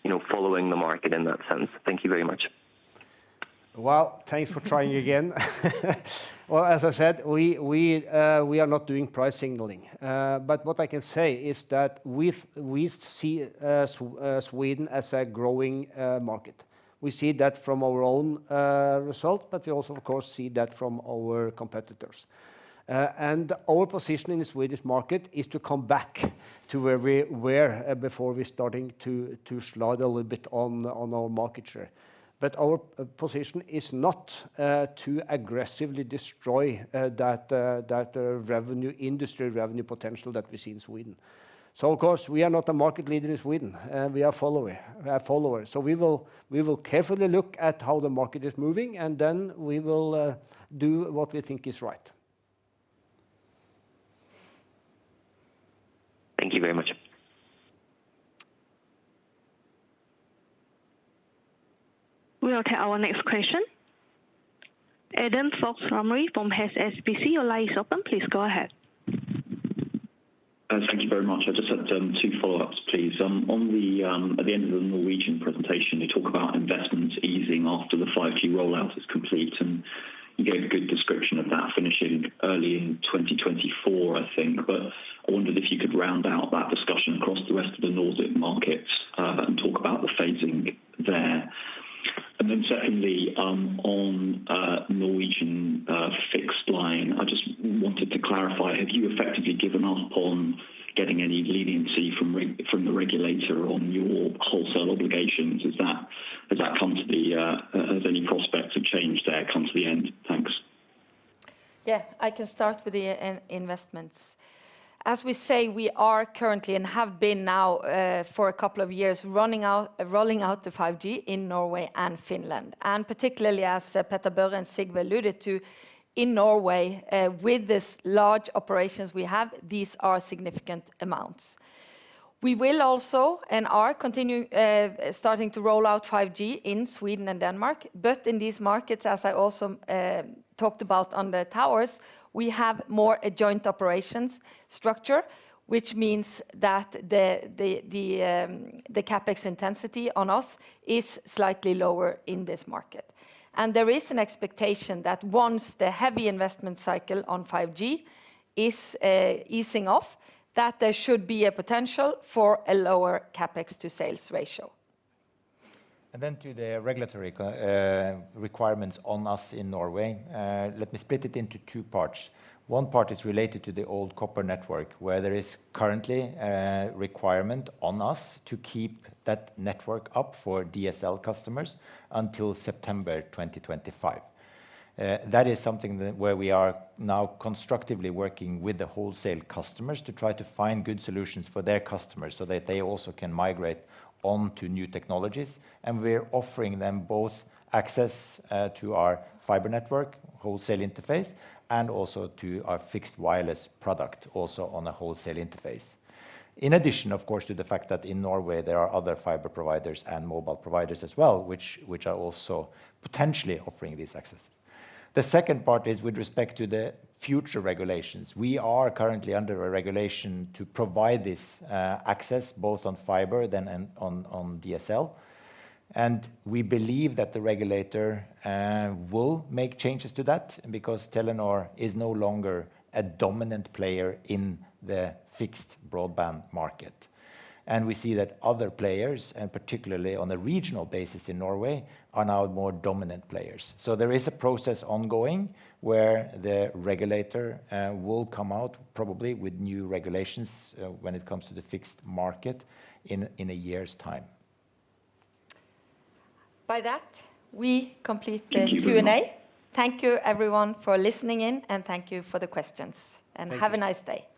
you know, following the market in that sense? Thank you very much. Well, thanks for trying again. Well, as I said, we are not doing price signaling. What I can say is that we see Sweden as a growing market. We see that from our own result, but we also, of course, see that from our competitors. Our position in the Swedish market is to come back to where we were before we're starting to slide a little bit on our market share. Our position is not to aggressively destroy that revenue, industry revenue potential that we see in Sweden. Of course, we are not a market leader in Sweden. We are follower. We will carefully look at how the market is moving, and then we will do what we think is right. Thank you very much. We'll take our next question. Adam Fox-Rumley from HSBC, your line is open. Please go ahead. Thank you very much. I just have two follow-ups, please. At the end of the Norwegian presentation, you talk about investments easing after the 5G rollout is complete, and you gave a good description of that finishing early in 2024, I think. I wondered if you could round out that discussion across the rest of the Nordic markets, and talk about the phasing there. Secondly, on Norwegian fixed line, I just wanted to clarify, have you effectively given up on getting any leniency from the regulator on your wholesale obligations? Has any prospect of change there come to an end? Thanks. Yeah. I can start with the investments. As we say, we are currently and have been now for a couple of years rolling out the 5G in Norway and Finland. Particularly as Petter-Børre Furberg and Sigve Brekke alluded to, in Norway with this large operations we have, these are significant amounts. We are also continuing to roll out 5G in Sweden and Denmark. In these markets, as I also talked about on the towers, we have more of a joint operations structure, which means that the CapEx intensity on us is slightly lower in this market. There is an expectation that once the heavy investment cycle on 5G is easing off, that there should be a potential for a lower CapEx to sales ratio. To the regulatory requirements on us in Norway, let me split it into two parts. One part is related to the old copper network, where there is currently a requirement on us to keep that network up for DSL customers until September 2025. That is something where we are now constructively working with the wholesale customers to try to find good solutions for their customers so that they also can migrate on to new technologies. We're offering them both access to our fiber network wholesale interface and also to our fixed wireless product also on a wholesale interface. In addition, of course, to the fact that in Norway, there are other fiber providers and mobile providers as well, which are also potentially offering these accesses. The second part is with respect to the future regulations. We are currently under a regulation to provide this access both on fiber then and on DSL. We believe that the regulator will make changes to that because Telenor is no longer a dominant player in the fixed broadband market. We see that other players, and particularly on a regional basis in Norway, are now more dominant players. There is a process ongoing where the regulator will come out probably with new regulations when it comes to the fixed market in a year's time. By that, we complete the Q&A. Thank you everyone for listening in, and thank you for the questions. Thank you. Have a nice day.